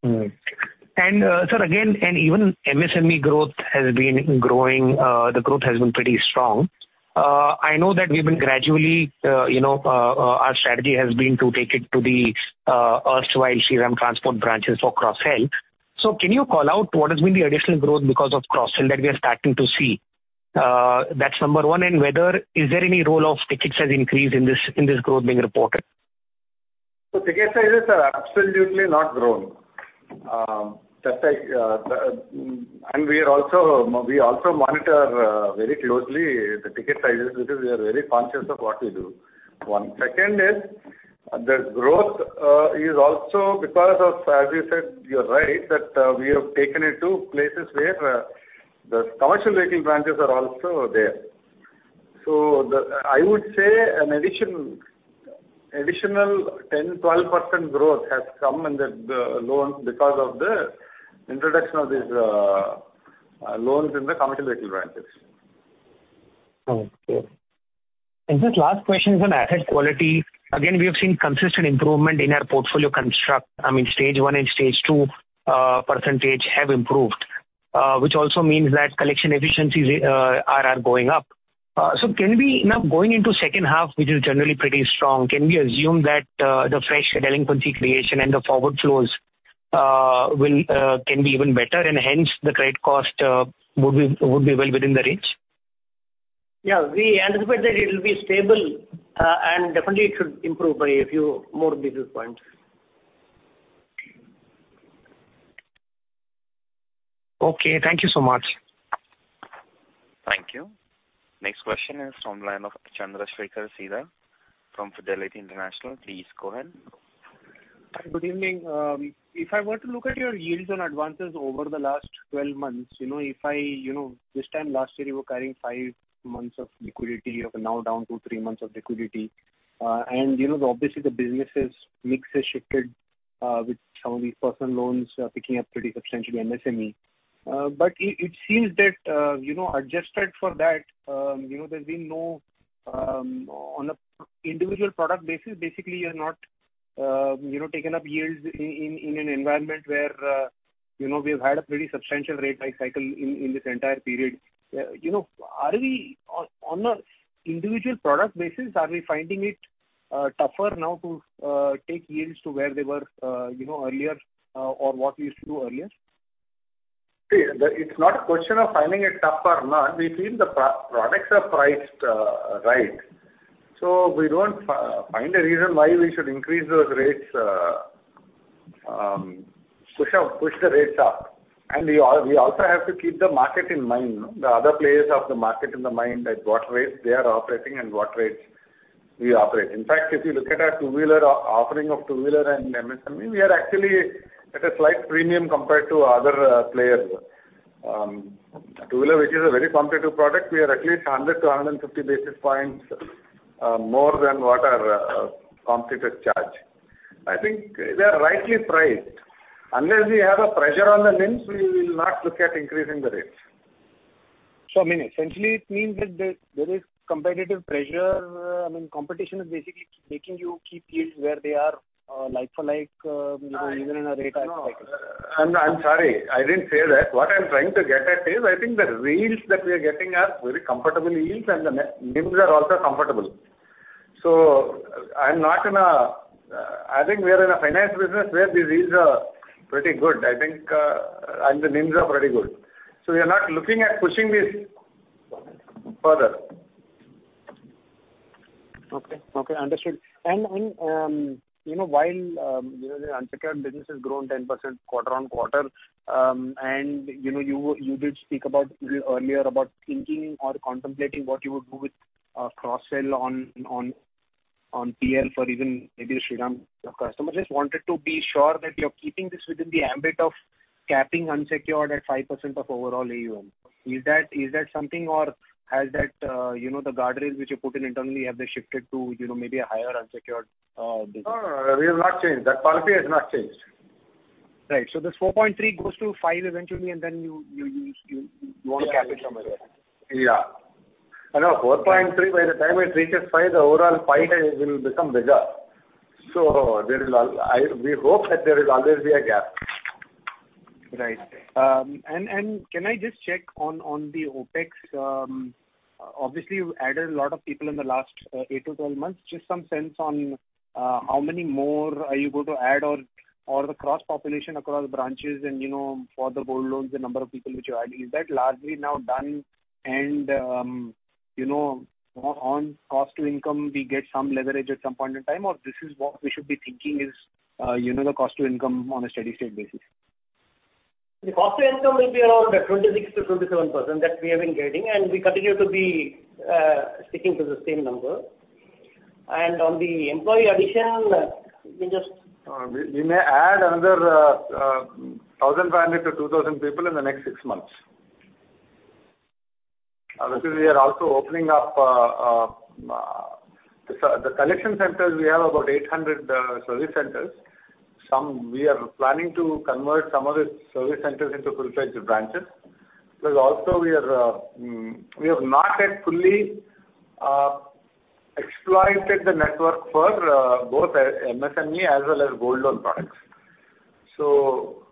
Sir, again, even MSME growth has been growing, the growth has been pretty strong. I know that we've been gradually, you know, our strategy has been to take it to the erstwhile Shriram Transport branches for cross-sell. So can you call out what has been the additional growth because of cross-sell that we are starting to see? That's number one. And whether is there any role of ticket size increase in this, in this growth being reported? So ticket sizes are absolutely not grown. That I. And we are also, we also monitor very closely the ticket sizes, because we are very conscious of what we do. One, second is, the growth is also because of, as you said, you're right, that, we have taken it to places where the commercial vehicle branches are also there. So the, I would say an addition, additional 10, 12% growth has come in the, the loans because of the introduction of these loans in the commercial vehicle branches. Okay. Just last question is on asset quality. Again, we have seen consistent improvement in our portfolio construct. I mean, Stage 1 and Stage 2 percentage have improved, which also means that collection efficiencies are going up. So can we now, going into second half, which is generally pretty strong, can we assume that the fresh delinquency creation and the forward flows will be even better, and hence the credit cost would be well within the range? Yeah, we anticipate that it will be stable, and definitely it should improve by a few more basis points. Okay, thank you so much. Thank you. Next question is from the line of Chandrasekhar Sridhar from Fidelity International. Please go ahead. Good evening. If I were to look at your yields on advances over the last 12 months, you know, if I, you know, this time last year, you were carrying five months of liquidity, you are now down to three months of liquidity. And, you know, obviously the business's mix has shifted, with some of these personal loans picking up pretty substantially MSME. But it, it seems that, you know, adjusted for that, you know, there's been no, on the individual product basis, basically, you're not, you know, taking up yields in an environment where, you know, we've had a pretty substantial rate hike cycle in this entire period. You know, are we on a individual product basis, are we finding it tougher now to take yields to where they were, you know, earlier, or what we used to do earlier? See, it's not a question of finding it tough or not. We feel the our products are priced right. So we don't find a reason why we should increase those rates, push the rates up. And we also have to keep the market in mind, the other players of the market in mind, at what rates they are operating and what rates we operate. In fact, if you look at our two-wheeler offering of two-wheeler and MSME, we are actually at a slight premium compared to other players. Two-wheeler, which is a very competitive product, we are at least 100-150 basis points more than what our competitors charge. I think they are rightly priced. Unless we have a pressure on the NIM, we will not look at increasing the rates. So, I mean, essentially, it means that there is competitive pressure. I mean, competition is basically making you keep yields where they are, like for like, you know, even in a rate hike. No, I'm, I'm sorry, I didn't say that. What I'm trying to get at is, I think the yields that we are getting are very comfortable yields, and the NIMs are also comfortable. So I'm not in a, I think we are in a finance business where the rates are pretty good, I think, and the NIMs are pretty good. So we are not looking at pushing this further. Okay, okay, understood. And you know, while you know, the unsecured business has grown 10% quarter-on-quarter, and you know, you did speak about a little earlier about thinking or contemplating what you would do with cross-sell on PL for even maybe Shriram customers. Just wanted to be sure that you're keeping this within the ambit of capping unsecured at 5% of overall AUM. Is that something or has that, you know, the guardrails which you put in internally, have they shifted to, you know, maybe a higher unsecured business? No, we have not changed. That policy has not changed. Right. So this 4.3 goes to 5 eventually, and then you want to cap it somewhere. Yeah. At 4.3, by the time it reaches five, the overall five will become bigger. So, we hope that there will always be a gap. Right. And can I just check on the OpEx? Obviously, you've added a lot of people in the last 8-12 months. Just some sense on how many more are you going to add or the cross-population across branches and, you know, for the gold loans, the number of people which you're adding. Is that largely now done and, you know, on cost to income, we get some leverage at some point in time, or this is what we should be thinking is, you know, the cost to income on a steady state basis? The cost to income will be around 26%-27% that we have been getting, and we continue to be sticking to the same number. On the employee addition, we just. We may add another 1,500-2,000 people in the next six months. Because we are also opening up the collection centers, we have about 800 service centers. Some we are planning to convert some of the service centers into full-fledged branches. Because also we are, we have not yet fully exploited the network for both MSME as well as gold loan products. So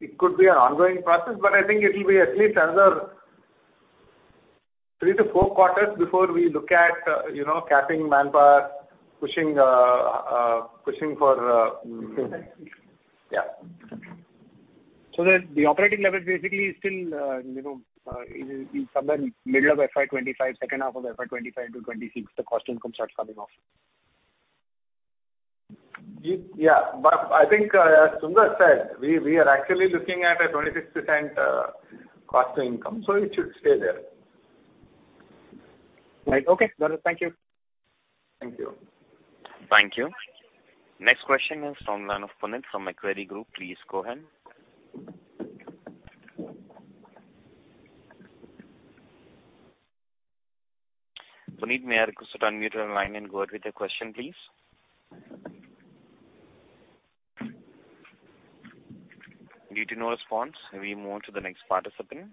it could be an ongoing process, but I think it will be at least another three to four quarters before we look at, you know, capping manpower, pushing pushing for yeah. So the operating leverage basically is still, you know, is somewhere middle of FY 2025, second half of FY 2025 to 2026, the cost income starts coming off. Yeah. But I think, as Sunder said, we are actually looking at a 26% cost to income, so it should stay there. Right. Okay, got it. Thank you. Thank you. Thank you. Next question is from the line of Puneet from Macquarie Group. Please go ahead. Puneet, may I request you to unmute your line and go ahead with your question, please? Due to no response, we move on to the next participant.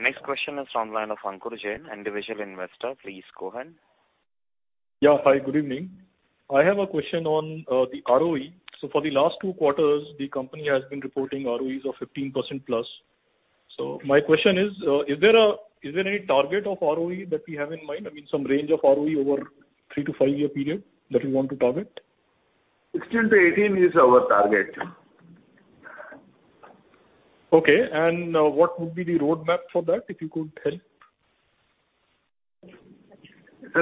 Next question is from the line of Ankur Jain, individual investor. Please go ahead. Yeah, hi, good evening. I have a question on the ROE. So for the last two quarters, the company has been reporting ROEs of 15%+. So my question is, is there any target of ROE that we have in mind? I mean, some range of ROE over three- to five-year period that we want to target? 16-18 is our target. Okay. And, what would be the roadmap for that, if you could help?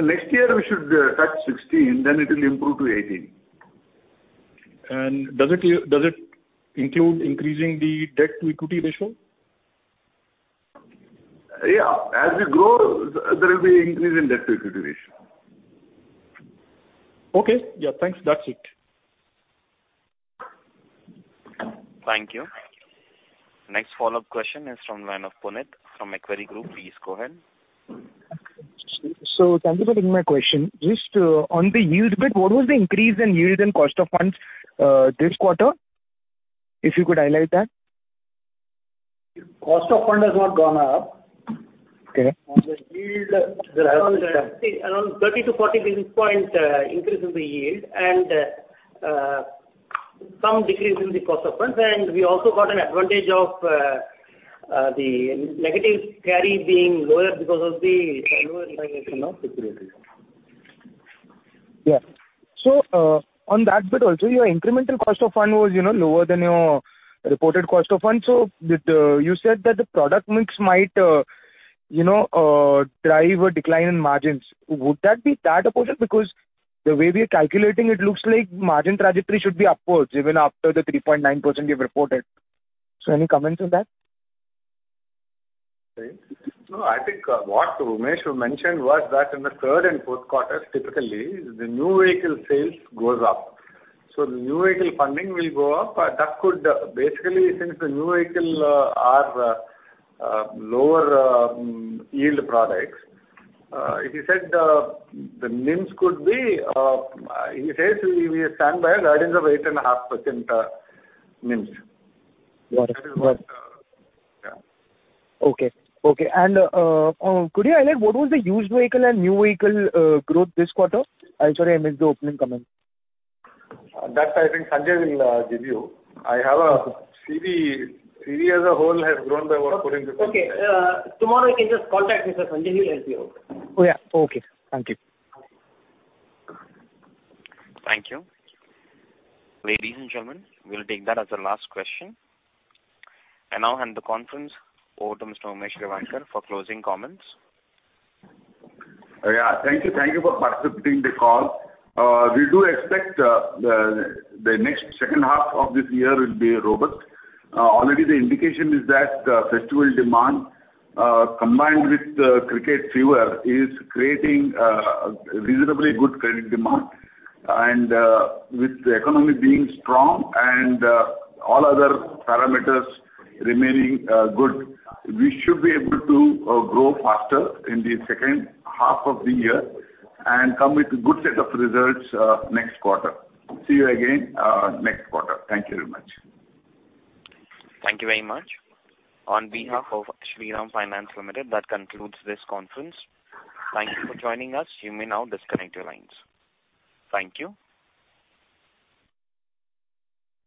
Next year, we should be at 16, then it will improve to 18. And does it include increasing the debt-to-equity ratio? Yeah. As we grow, there will be increase in debt-to-equity ratio. Okay. Yeah, thanks. That's it. Thank you. Next follow-up question is from line of Puneet from Macquarie Group. Please go ahead. Thank you for taking my question. Just, on the yield bit, what was the increase in yield and cost of funds, this quarter, if you could highlight that? Cost of fund has not gone up. Okay. The yield, around 30-40 basis point increase in the yield and some decrease in the cost of funds. We also got an advantage of the negative carry being lower because of the lower inflation of securities. Yeah. So, on that bit also, your incremental cost of fund was, you know, lower than your reported cost of funds. So did, you said that the product mix might, you know, drive a decline in margins. Would that be that opposite? Because the way we are calculating, it looks like margin trajectory should be upwards, even after the 3.9% you've reported. So any comments on that? Right. No, I think, what Umesh mentioned was that in the third and fourth quarters, typically, the new vehicle sales goes up. So the new vehicle funding will go up, but that could... Basically, since the new vehicle, are, lower, yield products, he said, the NIMs could be, he says we, we stand by our guidance of 8.5%, NIMs. Got it. That is what. Yeah. Okay. Okay, and, could you highlight what was the used vehicle and new vehicle growth this quarter? I'm sorry, I missed the opening comment. That, I think Sanjay will give you. I have a CV. CV as a whole has grown by about 14%. Okay. Tomorrow, you can just contact me, so Sanjay will help you. Oh, yeah. Okay. Thank you. Thank you. Ladies and gentlemen, we'll take that as our last question. I now hand the conference over to Mr. Umesh Revankar for closing comments. Yeah, thank you. Thank you for participating in the call. We do expect the next second half of this year will be robust. Already the indication is that the festival demand combined with the cricket fever is creating reasonably good credit demand. And with the economy being strong and all other parameters remaining good, we should be able to grow faster in the second half of the year and come with a good set of results next quarter. See you again next quarter. Thank you very much. Thank you very much. On behalf of Shriram Finance Limited, that concludes this conference. Thank you for joining us. You may now disconnect your lines. Thank you.